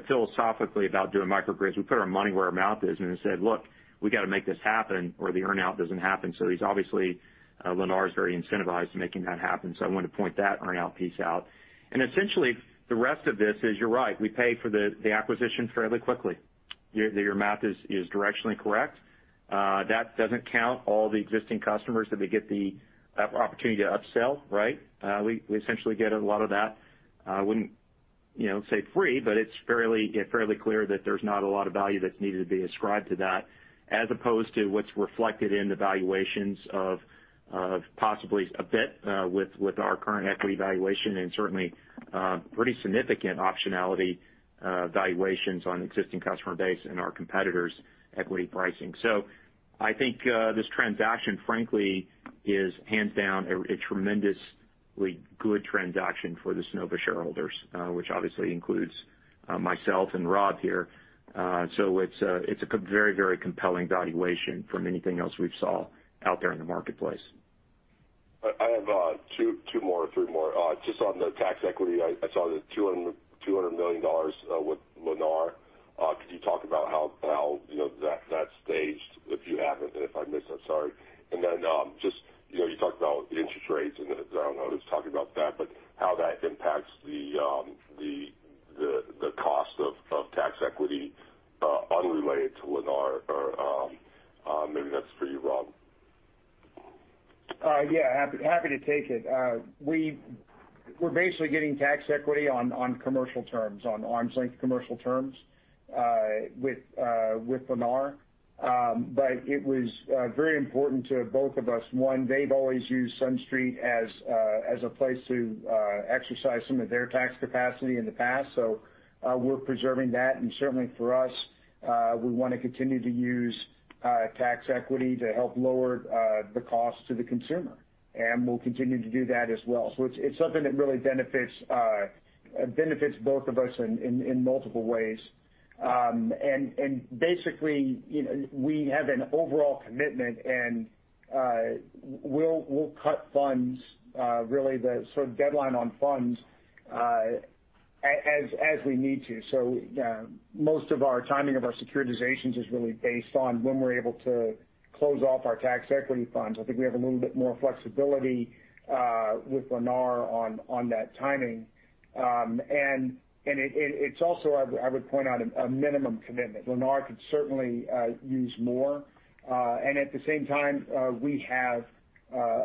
philosophically about doing microgrids. We put our money where our mouth is and said, "Look, we got to make this happen, or the earn-out doesn't happen." Obviously, Lennar is very incentivized to making that happen. I wanted to point that earn-out piece out. Essentially, the rest of this is, you're right. We pay for the acquisition fairly quickly. Your math is directionally correct. That doesn't count all the existing customers that we get the opportunity to upsell, right? We essentially get a lot of that. I wouldn't say free, but it's fairly clear that there's not a lot of value that's needed to be ascribed to that, as opposed to what's reflected in the valuations of possibly a bit with our current equity valuation and certainly pretty significant optionality valuations on existing customer base and our competitors' equity pricing. I think this transaction, frankly, is hands down a tremendously good transaction for the Sunnova shareholders, which obviously includes myself and Rob here. It's a very compelling valuation from anything else we've seen out there in the marketplace. I have two more or three more. Just on the tax equity, I saw the $200 million with Lennar. Could you talk about how that's staged, if you haven't. If I missed that, sorry. You talked about interest rates, and I don't know who's talking about that, but how that impacts the cost of tax equity unrelated to Lennar, or maybe that's for you, Rob. Happy to take it. We're basically getting tax equity on commercial terms, on arm's length commercial terms with Lennar. It was very important to both of us. One, they've always used SunStreet as a place to exercise some of their tax capacity in the past. We're preserving that, and certainly for us, we want to continue to use tax equity to help lower the cost to the consumer. We'll continue to do that as well. It's something that really benefits both of us in multiple ways. Basically, we have an overall commitment, and we'll cut funds, really the sort of deadline on funds as we need to. Most of our timing of our securitizations is really based on when we're able to close off our tax equity funds. I think we have a little bit more flexibility with Lennar on that timing. It's also, I would point out, a minimum commitment. Lennar could certainly use more. At the same time, we have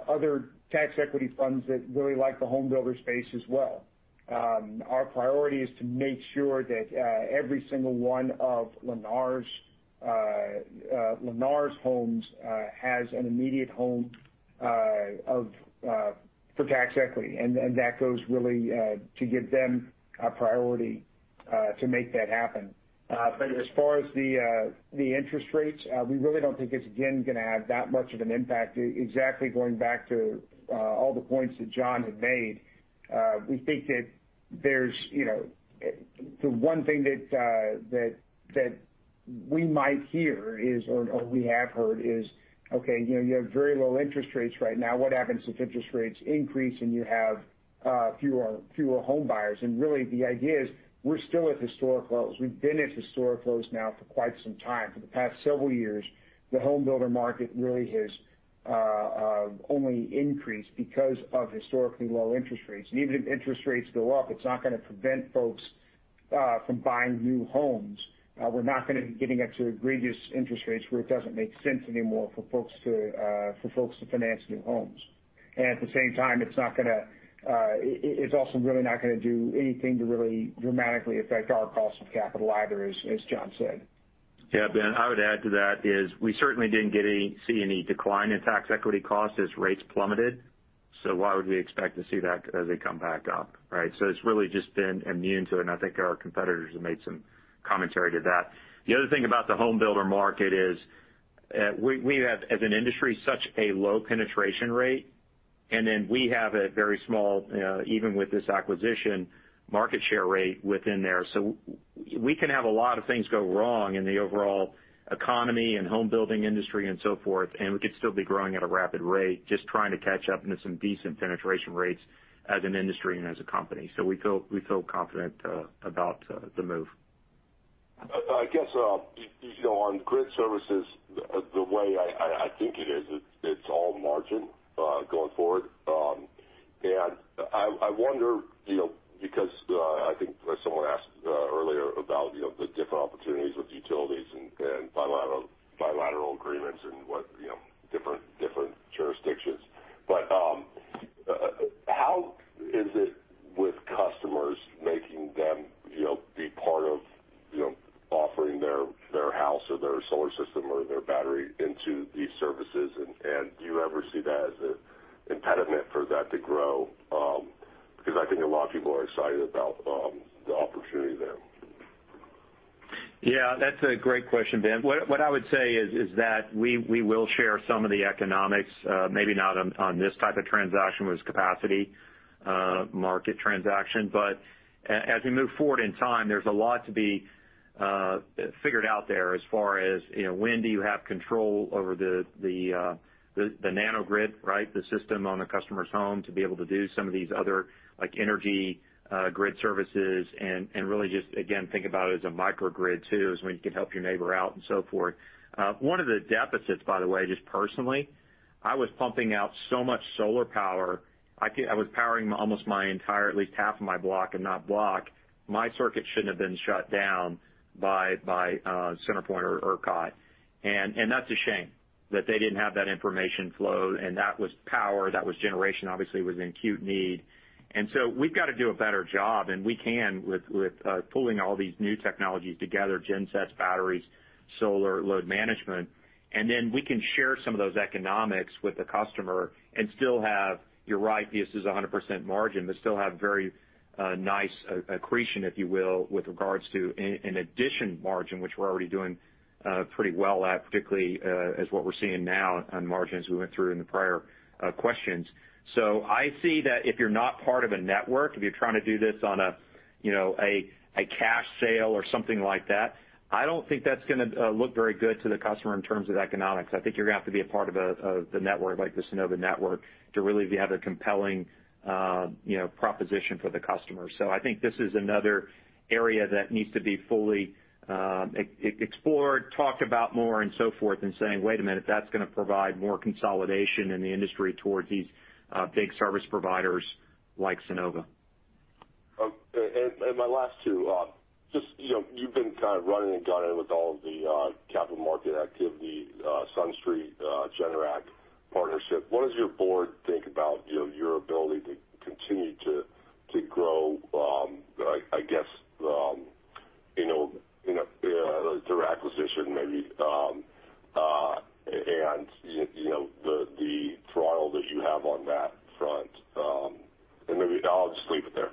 other tax equity funds that really like the home builder space as well. Our priority is to make sure that every single one of Lennar's homes has an immediate home for tax equity. That goes really to give them a priority to make that happen. As far as the interest rates, we really don't think it's again going to have that much of an impact. Exactly going back to all the points that John had made. We think that the one thing that we might hear is, or we have heard is, okay, you have very low interest rates right now. What happens if interest rates increase and you have fewer home buyers? Really the idea is we're still at historic lows. We've been at historic lows now for quite some time. For the past several years, the home builder market really has only increased because of historically low interest rates. Even if interest rates go up, it's not going to prevent folks from buying new homes. We're not going to be getting up to egregious interest rates where it doesn't make sense anymore for folks to finance new homes. At the same time, it's also really not going to do anything to really dramatically affect our cost of capital either, as John said. Yeah, Ben, I would add to that is we certainly didn't see any decline in tax equity costs as rates plummeted. Why would we expect to see that as they come back up, right? It's really just been immune to it, and I think our competitors have made some commentary to that. The other thing about the home builder market is we have, as an industry, such a low penetration rate, we have a very small, even with this acquisition, market share rate within there. We can have a lot of things go wrong in the overall economy and home building industry and so forth, and we could still be growing at a rapid rate, just trying to catch up into some decent penetration rates as an industry and as a company. We feel confident about the move. I guess on grid services, the way I think it is, it's all margin going forward. I wonder because I think someone asked earlier about the different opportunities with utilities and bilateral agreements and what different jurisdictions. How is it with customers making them be part of offering their house or their solar system or their battery into these services? Do you ever see that as an impediment for that to grow? I think a lot of people are excited about the opportunity there. Yeah, that's a great question, Ben. What I would say is that we will share some of the economics maybe not on this type of transaction with capacity market transaction. As we move forward in time, there's a lot to be figured out there as far as when do you have control over the nanogrid, right? The system on a customer's home to be able to do some of these other energy grid services and really just, again, think about it as a microgrid too, is when you can help your neighbor out and so forth. One of the deficits, by the way, just personally, I was pumping out so much solar power. I was powering almost my entire, at least half of my block, if not block. My circuit shouldn't have been shut down by CenterPoint or ERCOT. That's a shame that they didn't have that information flow, and that was power, that was generation, obviously was in acute need. We've got to do a better job, and we can with pooling all these new technologies together, gensets, batteries, solar load management. Then we can share some of those economics with the customer and still have, you're right, this is 100% margin, but still have very nice accretion, if you will, with regards to an addition margin, which we're already doing pretty well at, particularly as what we're seeing now on margins we went through in the prior questions. I see that if you're not part of a network, if you're trying to do this on a cash sale or something like that, I don't think that's going to look very good to the customer in terms of economics. I think you're going to have to be a part of the network like the Sunnova Network to really have a compelling proposition for the customer. I think this is another area that needs to be fully explored, talked about more, and so forth, and saying, "Wait a minute, that's going to provide more consolidation in the industry towards these big service providers like Sunnova. My last two. You've been kind of running the gauntlet with all of the capital market activity, SunStreet, Generac partnership. What does your board think about your ability to continue to grow, I guess, through acquisition, maybe, and the throttle that you have on that front? Maybe I'll just leave it there.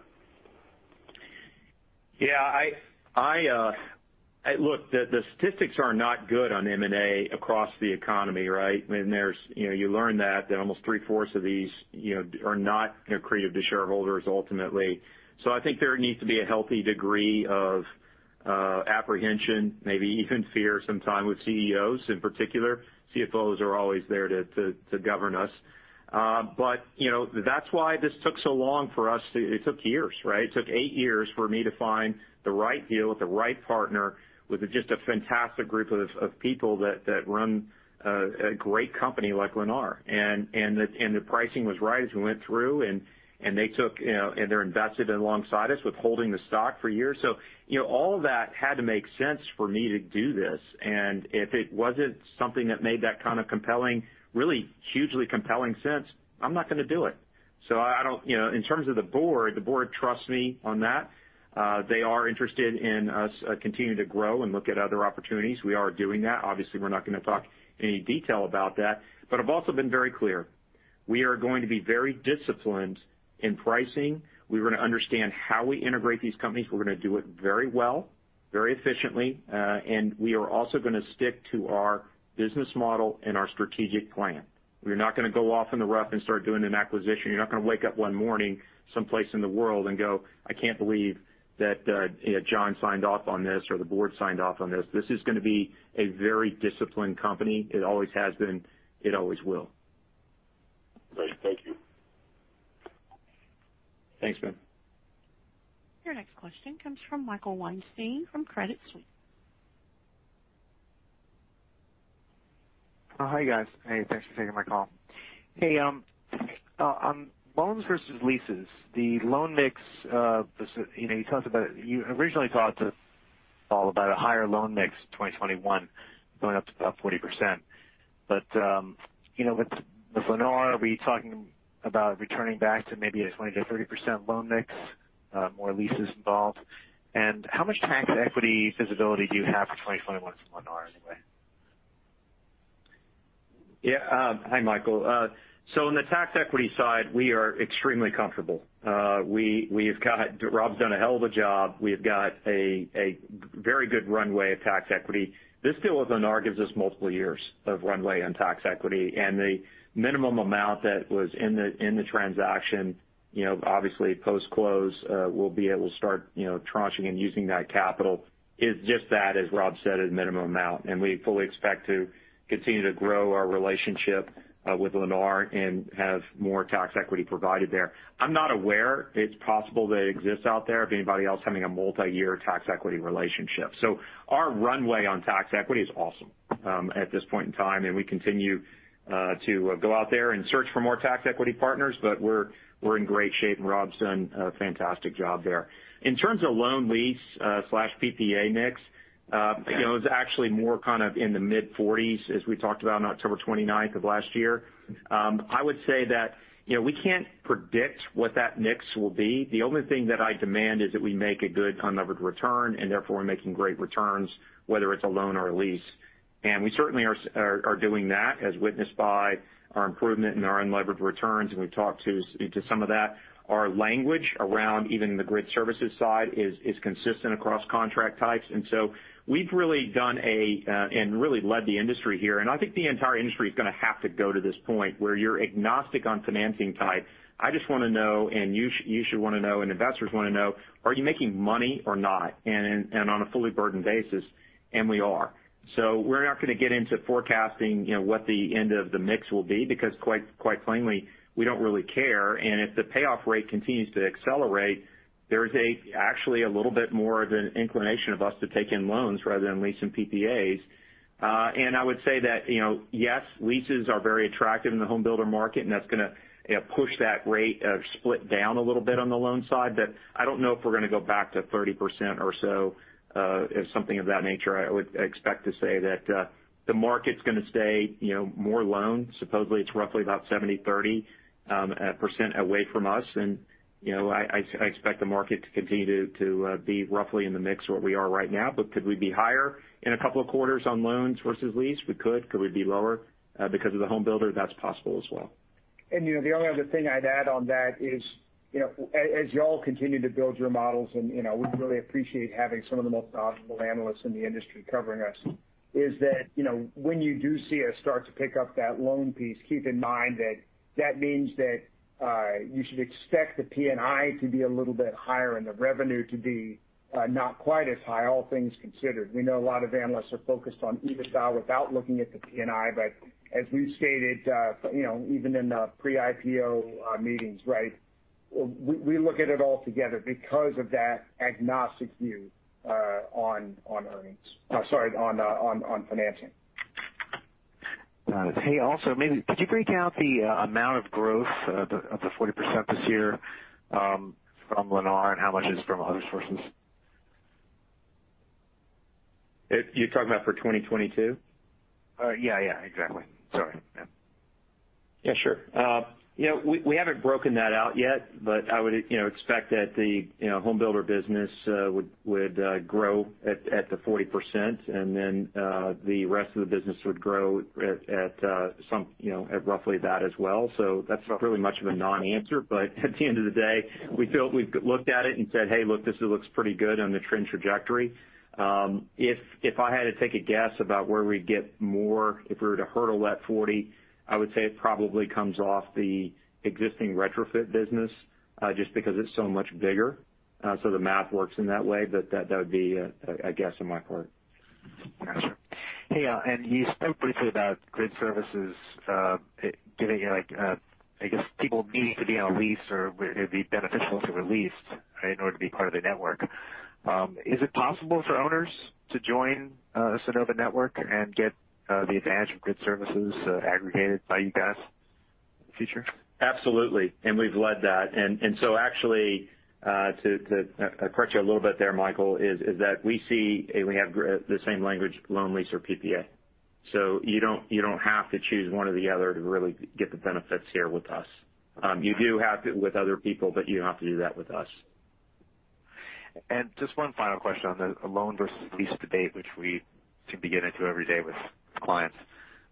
The statistics are not good on M&A across the economy, right? You learn that almost three-fourths of these are not accretive to shareholders ultimately. I think there needs to be a healthy degree of apprehension, maybe even fear sometimes with CEOs, in particular. CFOs are always there to govern us. That's why this took so long for us. It took years, right? It took eight years for me to find the right deal with the right partner, with just a fantastic group of people that run a great company like Lennar. The pricing was right as we went through, and they're invested alongside us with holding the stock for years. All of that had to make sense for me to do this. If it wasn't something that made that kind of compelling, really hugely compelling sense, I'm not going to do it. In terms of the Board, the Board trusts me on that. They are interested in us continuing to grow and look at other opportunities. We are doing that. Obviously, we're not going to talk any detail about that. I've also been very clear. We are going to be very disciplined in pricing. We are going to understand how we integrate these companies. We're going to do it very well, very efficiently. We are also going to stick to our business model and our strategic plan. We are not going to go off in the rough and start doing an acquisition. You're not going to wake up one morning someplace in the world and go, "I can't believe that John signed off on this, or the board signed off on this." This is going to be a very disciplined company. It always has been. It always will. Great. Thank you. Thanks, Ben. Your next question comes from Michael Weinstein from Credit Suisse. Hi, guys. Thanks for taking my call. On loans versus leases, the loan mix, you originally thought all about a higher loan mix 2021 going up to about 40%. With Lennar, are we talking about returning back to maybe a 20%-30% loan mix, more leases involved? How much tax equity visibility do you have for 2021 from Lennar anyway? Yeah. Hi, Michael. In the tax equity side, we are extremely comfortable. Rob's done a hell of a job. We've got a very good runway of tax equity. This deal with Lennar gives us multiple years of runway on tax equity, and the minimum amount that was in the transaction, obviously post-close, we'll be able to start tranching and using that capital, is just that, as Rob said, a minimum amount. We fully expect to continue to grow our relationship with Lennar and have more tax equity provided there. I'm not aware, it's possible that it exists out there, of anybody else having a multi-year tax equity relationship. Our runway on tax equity is awesome at this point in time, and we continue to go out there and search for more tax equity partners. We're in great shape, and Rob's done a fantastic job there. In terms of loan lease/PPA mix, it was actually more kind of in the mid-40s as we talked about on October 29th of last year. I would say that we can't predict what that mix will be. The only thing that I demand is that we make a good unlevered return, and therefore we're making great returns, whether it's a loan or a lease. We certainly are doing that, as witnessed by our improvement in our unlevered returns, and we've talked to some of that. Our language around even the grid services side is consistent across contract types. We've really done and really led the industry here, and I think the entire industry is going to have to go to this point where you're agnostic on financing type. I just want to know, and you should want to know, and investors want to know, are you making money or not? On a fully burdened basis. We are. We're not going to get into forecasting what the end of the mix will be because quite plainly, we don't really care. If the payoff rate continues to accelerate, there is actually a little bit more of an inclination of us to take in loans rather than leasing PPAs. I would say that, yes, leases are very attractive in the home builder market, and that's going to push that rate split down a little bit on the loan side. I don't know if we're going to go back to 30% or so, something of that nature. I would expect to say that the market's going to stay more loans. Supposedly, it's roughly about 70%/30% away from us. I expect the market to continue to be roughly in the mix where we are right now. Could we be higher in a couple of quarters on loans versus lease? We could. Could we be lower because of the home builder? That's possible as well. The only other thing I'd add on that is, as you all continue to build your models, and we really appreciate having some of the most knowledgeable analysts in the industry covering us, is that when you do see us start to pick up that loan piece, keep in mind that that means that you should expect the P&I to be a little bit higher and the revenue to be not quite as high, all things considered. We know a lot of analysts are focused on EBITDA without looking at the P&I. As we've stated even in the pre-IPO meetings, we look at it all together because of that agnostic view on earnings, sorry, on financing. Hey, also, could you break out the amount of growth of the 40% this year from Lennar and how much is from other sources? You're talking about for 2022? Yeah, exactly. Sorry. Yeah, sure. We haven't broken that out yet, but I would expect that the home builder business would grow at the 40%, and then the rest of the business would grow at roughly that as well. That's really much of a non-answer, but at the end of the day, we felt we've looked at it and said, "Hey, look, this looks pretty good on the trend trajectory." If I had to take a guess about where we'd get more if we were to hurdle that 40%, I would say it probably comes off the existing retrofit business, just because it's so much bigger. The math works in that way, but that would be a guess on my part. Got you. Hey, you spoke briefly about grid services, I guess people needing to be on a lease or it'd be beneficial to lease in order to be part of the network. Is it possible for owners to join a Sunnova Network and get the advantage of grid services aggregated by you guys in the future? Absolutely. We've led that. Actually to correct you a little bit there, Michael, is that we see and we have the same language loan lease or PPA. You don't have to choose one or the other to really get the benefits here with us. You do have to with other people, but you don't have to do that with us. Just one final question on the loan versus lease debate, which we can get into every day with clients.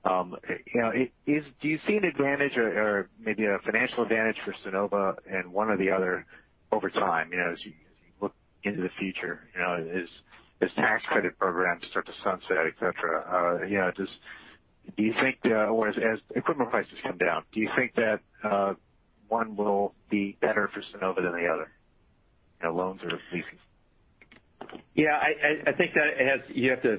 Do you see an advantage or maybe a financial advantage for Sunnova in one or the other over time, as you look into the future as tax credit programs start to sunset, et cetera? As equipment prices come down, do you think that one will be better for Sunnova than the other? Loans or leases? Yeah, I think that you have to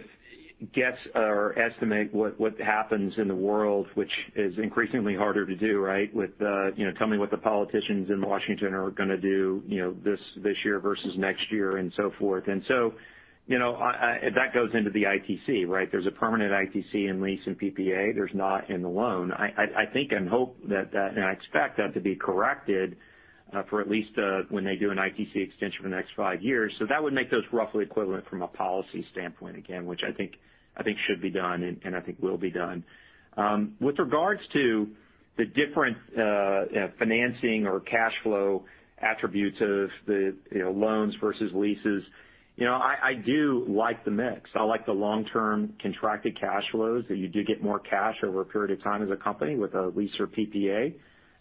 guess or estimate what happens in the world, which is increasingly harder to do with telling me what the politicians in Washington are going to do this year versus next year and so forth. That goes into the ITC, right? There's a permanent ITC in lease and PPA. There's not in the loan. I think and hope and I expect that to be corrected for at least when they do an ITC extension for the next five years. That would make those roughly equivalent from a policy standpoint, again, which I think should be done and I think will be done. With regards to the different financing or cash flow attributes of the loans versus leases, I do like the mix. I like the long-term contracted cash flows that you do get more cash over a period of time as a company with a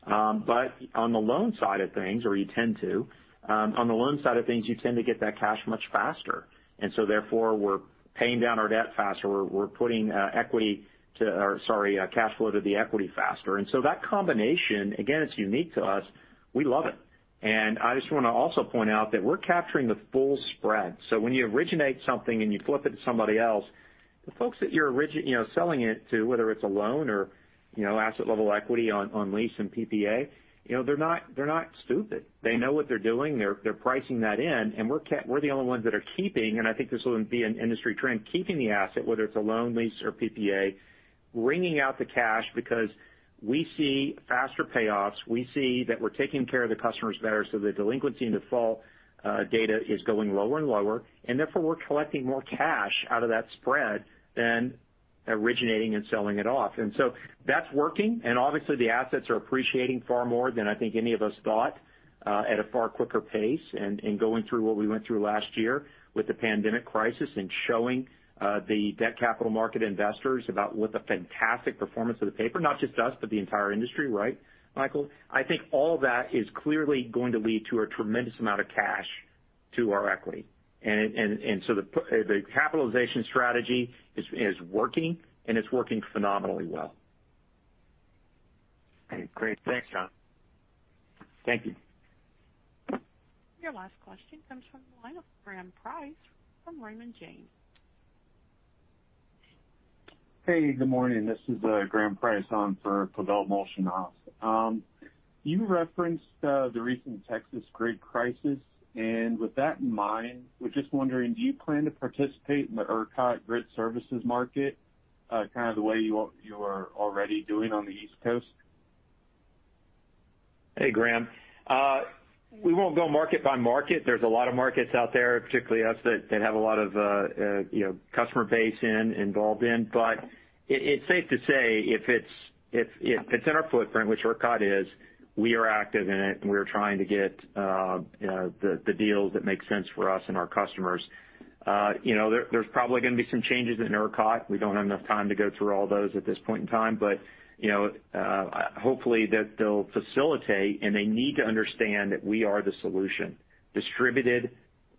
lease or PPA. On the loan side of things, you tend to get that cash much faster. Therefore, we're paying down our debt faster. We're putting cash flow to the equity faster. That combination, again, it's unique to us. We love it. I just want to also point out that we're capturing the full spread. When you originate something and you flip it to somebody else, the folks that you're selling it to, whether it's a loan or asset-level equity on lease and PPA, they're not stupid. They know what they're doing. They're pricing that in and we're the only ones that are keeping, and I think this will be an industry trend, keeping the asset, whether it's a loan, lease or PPA, wringing out the cash because we see faster payoffs. We see that we're taking care of the customers better, so the delinquency and default data is going lower and lower, and therefore we're collecting more cash out of that spread than originating and selling it off. That's working. Obviously the assets are appreciating far more than I think any of us thought at a far quicker pace and going through what we went through last year with the pandemic crisis and showing the debt capital market investors about what the fantastic performance of the paper, not just us, but the entire industry, right, Michael? I think all that is clearly going to lead to a tremendous amount of cash to our equity. The capitalization strategy is working and it's working phenomenally well. Great. Thanks, John. Thank you. Your last question comes from the line of Graham Price from Raymond James. Hey, good morning. This is Graham Price on for Pavel Molchanov. You referenced the recent Texas grid crisis, and with that in mind, was just wondering, do you plan to participate in the ERCOT grid services market kind of the way you are already doing on the East Coast? Hey, Graham. We won't go market by market. There's a lot of markets out there, particularly us, that have a lot of customer base involved in. It's safe to say if it's in our footprint, which ERCOT is, we are active in it and we're trying to get the deals that make sense for us and our customers. There's probably going to be some changes in ERCOT. We don't have enough time to go through all those at this point in time. Hopefully that they'll facilitate and they need to understand that we are the solution. Distributed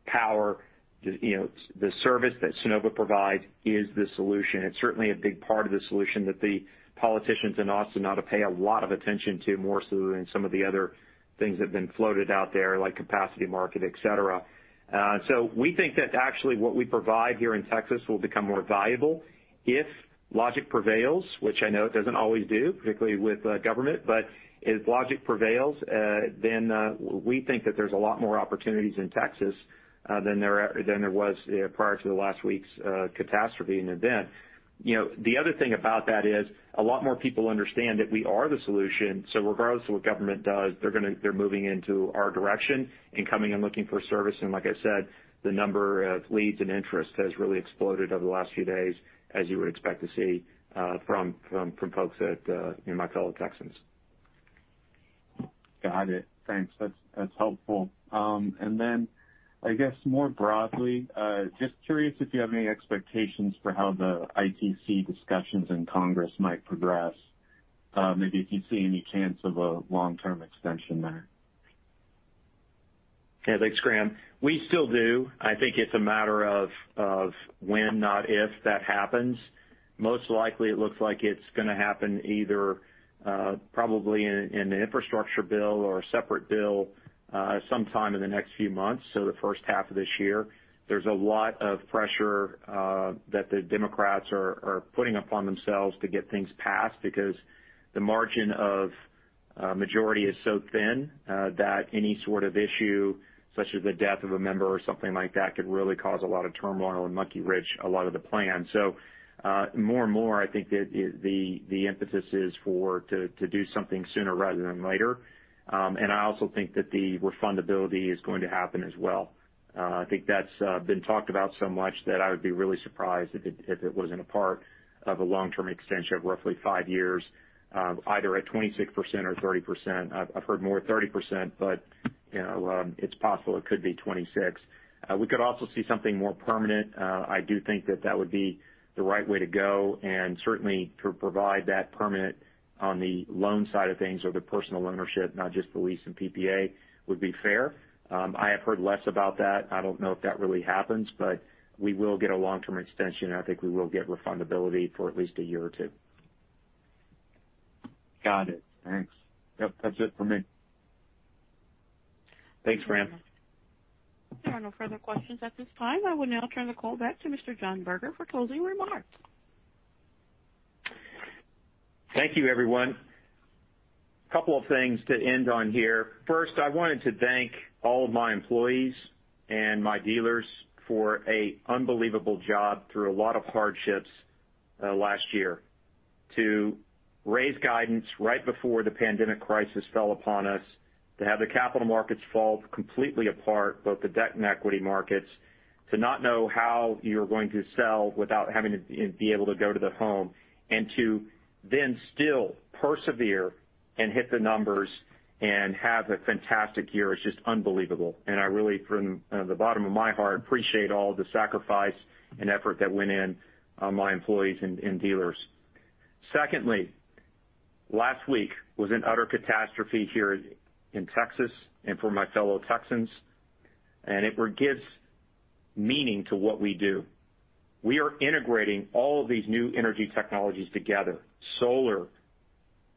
power, the service that Sunnova provides is the solution. It's certainly a big part of the solution that the politicians in Austin ought to pay a lot of attention to more so than some of the other things that have been floated out there, like capacity market, et cetera. We think that actually what we provide here in Texas will become more valuable if logic prevails, which I know it doesn't always do, particularly with government. If logic prevails we think that there's a lot more opportunities in Texas than there was prior to the last week's catastrophe and event. The other thing about that is a lot more people understand that we are the solution. Regardless of what government does, they're moving into our direction and coming and looking for service. Like I said, the number of leads and interest has really exploded over the last few days as you would expect to see from folks at my fellow Texans. Got it. Thanks. That's helpful. I guess more broadly, just curious if you have any expectations for how the ITC discussions in Congress might progress? Maybe if you see any chance of a long-term extension there? Yeah. Thanks, Graham. We still do. I think it's a matter of when, not if, that happens. Most likely, it looks like it's going to happen either probably in an infrastructure bill or a separate bill, sometime in the next few months, so the first half of this year. There's a lot of pressure that the Democrats are putting upon themselves to get things passed because the margin of majority is so thin that any sort of issue, such as the death of a member or something like that, could really cause a lot of turmoil and monkey-wrench a lot of the plans. More and more, I think that the emphasis is to do something sooner rather than later. I also think that the refundability is going to happen as well. I think that's been talked about so much that I would be really surprised if it wasn't a part of a long-term extension of roughly five years, either at 26% or 30%. I've heard more 30%, but it's possible it could be 26%. We could also see something more permanent. I do think that that would be the right way to go, and certainly to provide that permanent on the loan side of things or the personal ownership, not just the lease and PPA, would be fair. I have heard less about that. I don't know if that really happens, but we will get a long-term extension, and I think we will get refundability for at least a year or two. Got it. Thanks. Yep, that's it for me. Thanks, Graham. There are no further questions at this time. I will now turn the call back to Mr. John Berger for closing remarks. Thank you, everyone. Couple of things to end on here. First, I wanted to thank all of my employees and my dealers for a unbelievable job through a lot of hardships last year. To raise guidance right before the pandemic crisis fell upon us, to have the capital markets fall completely apart, both the debt and equity markets, to not know how you're going to sell without having to be able to go to the home, and to then still persevere and hit the numbers and have a fantastic year is just unbelievable. I really, from the bottom of my heart, appreciate all the sacrifice and effort that went in my employees and dealers. Secondly, last week was an utter catastrophe here in Texas and for my fellow Texans, and it gives meaning to what we do. We are integrating all of these new energy technologies together. Solar,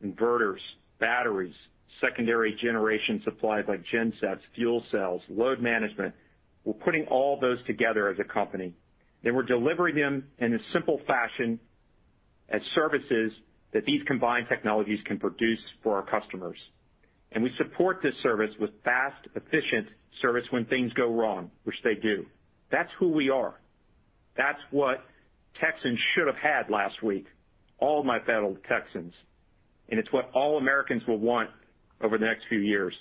inverters, batteries, secondary generation supplies like gensets, fuel cells, load management. We're putting all those together as a company, and we're delivering them in a simple fashion as services that these combined technologies can produce for our customers. We support this service with fast, efficient service when things go wrong, which they do. That's who we are. That's what Texans should have had last week, all my fellow Texans, and it's what all Americans will want over the next few years.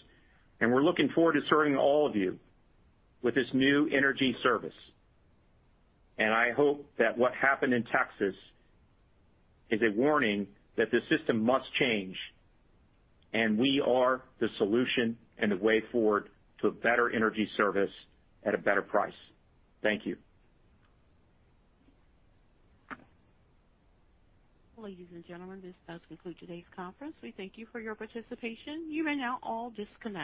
We're looking forward to serving all of you with this new energy service. I hope that what happened in Texas is a warning that the system must change, and we are the solution and the way forward to better energy service at a better price. Thank you. Ladies and gentlemen, this does conclude today's conference. We thank you for your participation. You may now all disconnect.